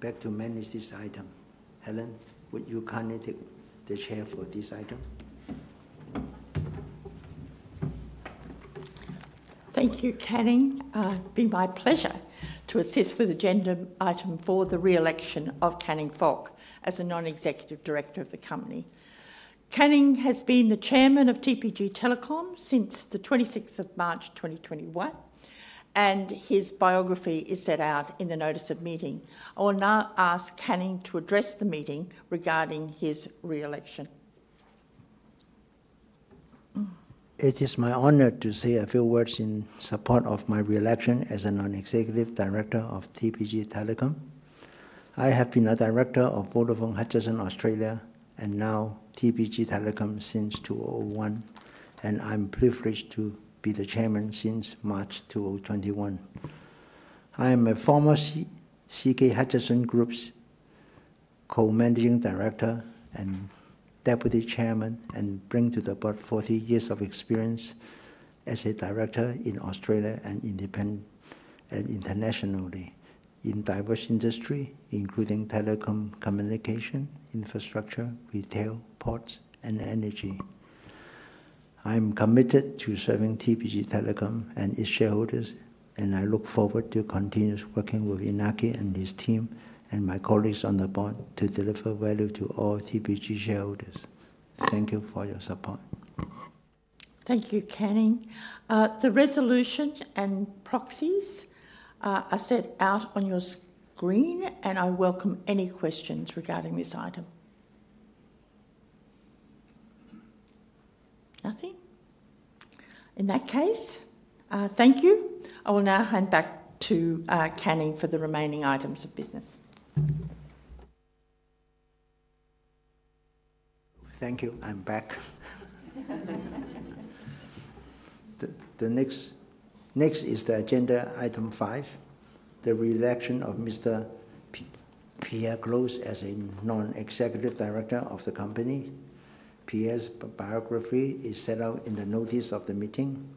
back to manage this item. Helen, would you kindly take the chair for this item? Thank you, Canning. It'd be my pleasure to assist with agenda item four, the re-election of Canning Fok as a Non-Executive Director of the company. Canning has been the Chairman of TPG Telecom since the 26th of March 2021, and his biography is set out in the notice of meeting. I will now ask Canning to address the meeting regarding his re-election. It is my honor to say a few words in support of my re-election as a Non-Executive Director of TPG Telecom. I have been a director of Vodafone Hutchison Australia and now TPG Telecom since 2001, and I'm privileged to be the Chairman since March 2021. I am a former CK Hutchison Group's co-managing director and deputy chairman, and bring to the board 40 years of experience as a director in Australia and internationally in diverse industries, including telecom communication, infrastructure, retail, ports, and energy. I'm committed to serving TPG Telecom and its shareholders, and I look forward to continuous working with Iñaki and his team and my colleagues on the board to deliver value to all TPG shareholders. Thank you for your support. Thank you, Canning. The resolution and proxies are set out on your screen, and I welcome any questions regarding this item. Nothing? In that case, thank you. I will now hand back to Canning for the remaining items of business. Thank you. I'm back. The next is the agenda item five, the re-election of Mr. Pierre Klotz as a non-executive director of the company. Pierre's biography is set out in the notice of the meeting.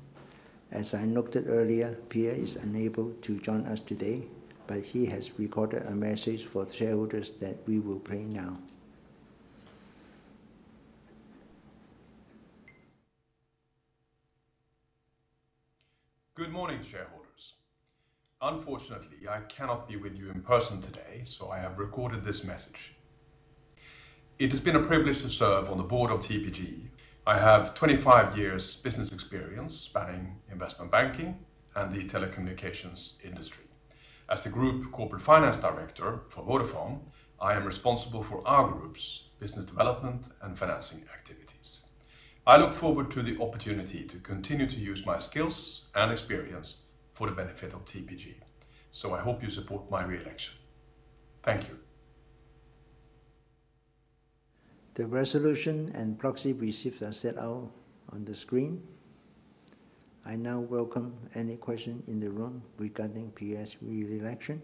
As I noted earlier, Pierre is unable to join us today, but he has recorded a message for the shareholders that we will play now. Good morning, shareholders. Unfortunately, I cannot be with you in person today, so I have recorded this message. It has been a privilege to serve on the board of TPG. I have 25 years' business experience spanning investment banking and the telecommunications industry. As the Group Corporate Finance Director for Vodafone, I am responsible for our group's business development and financing activities. I look forward to the opportunity to continue to use my skills and experience for the benefit of TPG, so I hope you support my re-election. Thank you. The resolution and proxy receipts are set out on the screen. I now welcome any questions in the room regarding Pierre's re-election.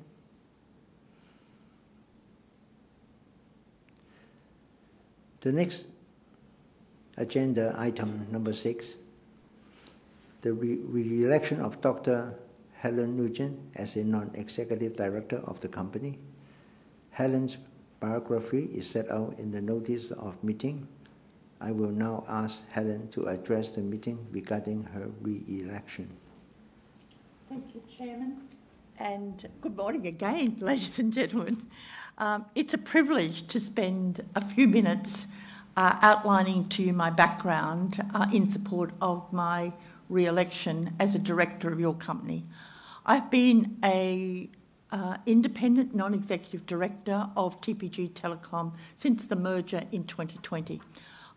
The next agenda item, number six, the re-election of Dr. Helen Nugent as a non-executive director of the company. Helen's biography is set out in the notice of meeting. I will now ask Helen to address the meeting regarding her re-election. Thank you, Chairman. Good morning again, ladies and gentlemen. It's a privilege to spend a few minutes outlining to you my background in support of my re-election as a director of your company. I've been an Independent Non-Executive Director of TPG Telecom since the merger in 2020.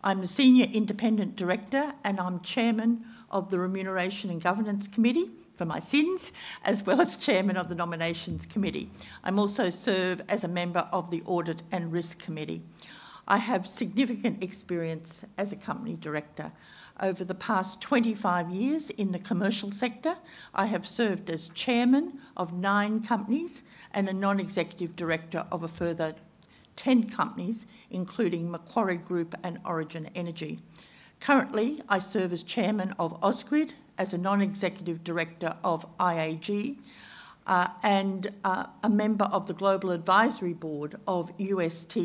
I'm a Senior Independent Director, and I'm Chairman of the Remuneration and Governance Committee for my sins, as well as Chairman of the Nominations Committee. I've also served as a member of the Audit and Risk Committee. I have significant experience as a Company Director. Over the past 25 years in the commercial sector, I have served as chairman of nine companies and a non-executive director of a further 10 companies, including Macquarie Group and Origin Energy. Currently, I serve as chairman of Ausgrid, as a non-executive director of IAG, and a member of the Global Advisory Board of UST,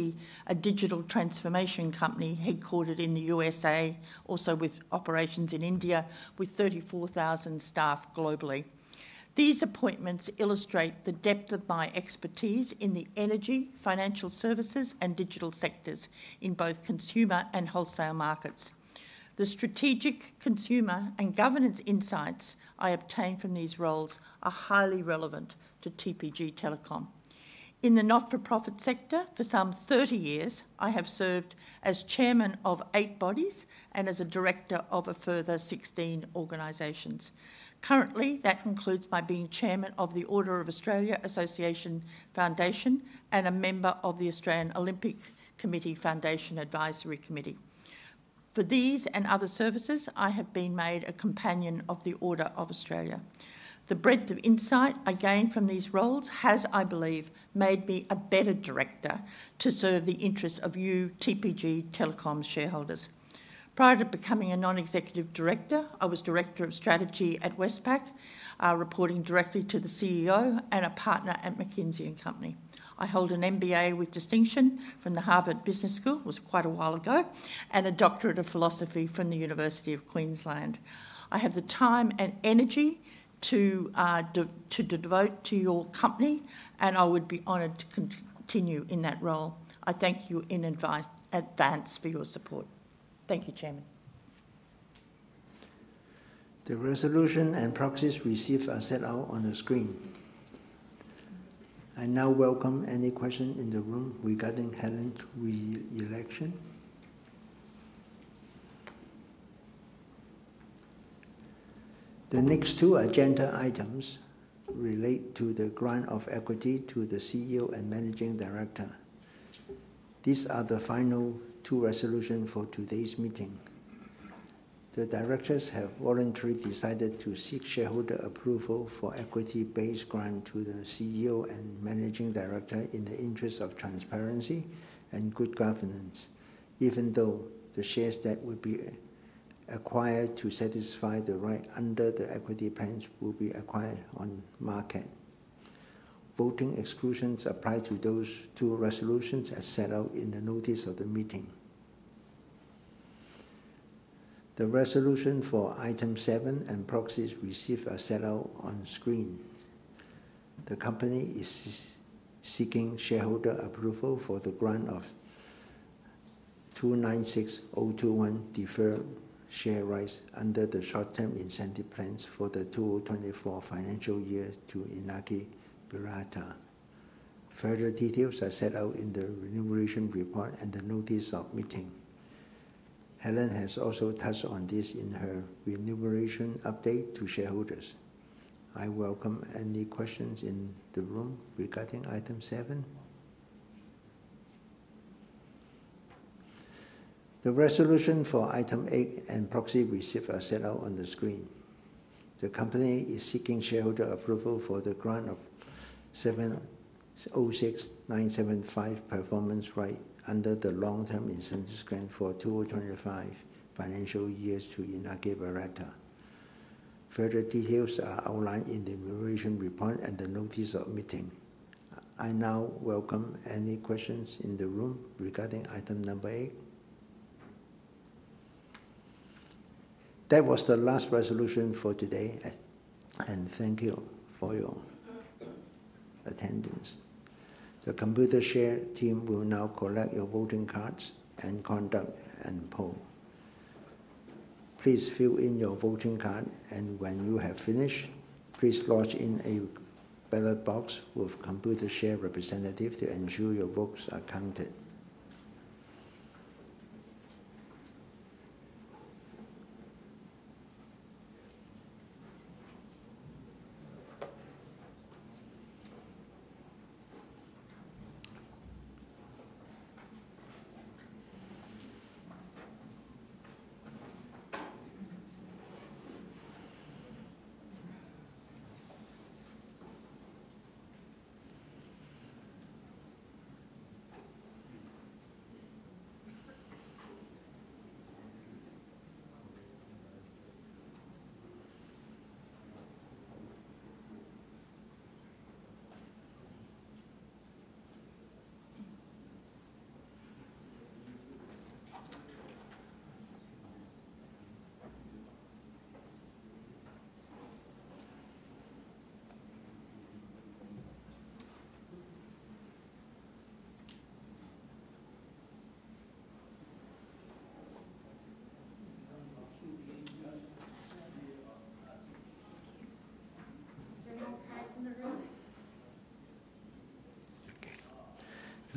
a digital transformation company headquartered in the U.S.A., also with operations in India, with 34,000 staff globally. These appointments illustrate the depth of my expertise in the energy, financial services, and digital sectors in both consumer and wholesale markets. The strategic consumer and governance insights I obtain from these roles are highly relevant to TPG Telecom. In the not-for-profit sector, for some 30 years, I have served as chairman of eight bodies and as a director of a further 16 organizations. Currently, that includes my being Chairman of the Order of Australia Association Foundation and a member of the Australian Olympic Committee Foundation Advisory Committee. For these and other services, I have been made a Companion of the Order of Australia. The breadth of insight I gained from these roles has, I believe, made me a better director to serve the interests of you, TPG Telecom shareholders. Prior to becoming a non-executive director, I was Director of Strategy at Westpac, reporting directly to the CEO and a partner at McKinsey & Company. I hold an MBA with distinction from the Harvard Business School. It was quite a while ago, and a Doctorate of Philosophy from the University of Queensland. I have the time and energy to devote to your company, and I would be honored to continue in that role. I thank you in advance for your support. Thank you, Chairman. The resolution and proxies receipts are set out on the screen. I now welcome any questions in the room regarding Helen's re-election. The next two agenda items relate to the grant of equity to the CEO and Managing Director. These are the final two resolutions for today's meeting. The directors have voluntarily decided to seek shareholder approval for equity-based grant to the CEO and Managing Director in the interest of transparency and good governance, even though the shares that would be acquired to satisfy the right under the equity plans will be acquired on market. Voting exclusions apply to those two resolutions as set out in the notice of the meeting. The resolution for item seven and proxies receipts are set out on screen. The company is seeking shareholder approval for the grant of 296,021 deferred share rights under the short-term incentive plans for the 2024 financial year to Iñaki Berroeta. Further details are set out in the remuneration report and the notice of meeting. Helen has also touched on this in her remuneration update to shareholders. I welcome any questions in the room regarding item seven. The resolution for item eight and proxy receipts are set out on the screen. The company is seeking shareholder approval for the grant of 706,975 performance rights under the long-term incentive plan for the 2025 financial year to Iñaki Berenguer. Further details are outlined in the remuneration report and the notice of meeting. I now welcome any questions in the room regarding item number eight. That was the last resolution for today, and thank you for your attendance. The Computershare team will now collect your voting cards and conduct a poll. Please fill in your voting card, and when you have finished, please lodge in a ballot box with a Computershare representative to ensure your votes are counted.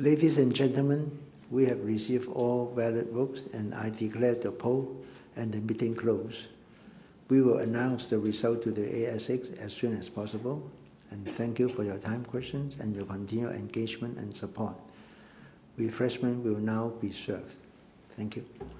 Is there any more cards in the room? Ladies and gentlemen, we have received all ballot votes, and I declare the poll and the meeting closed. We will announce the result to the ASX as soon as possible, and thank you for your time, questions, and your continued engagement and support. Refreshment will now be served. Thank you.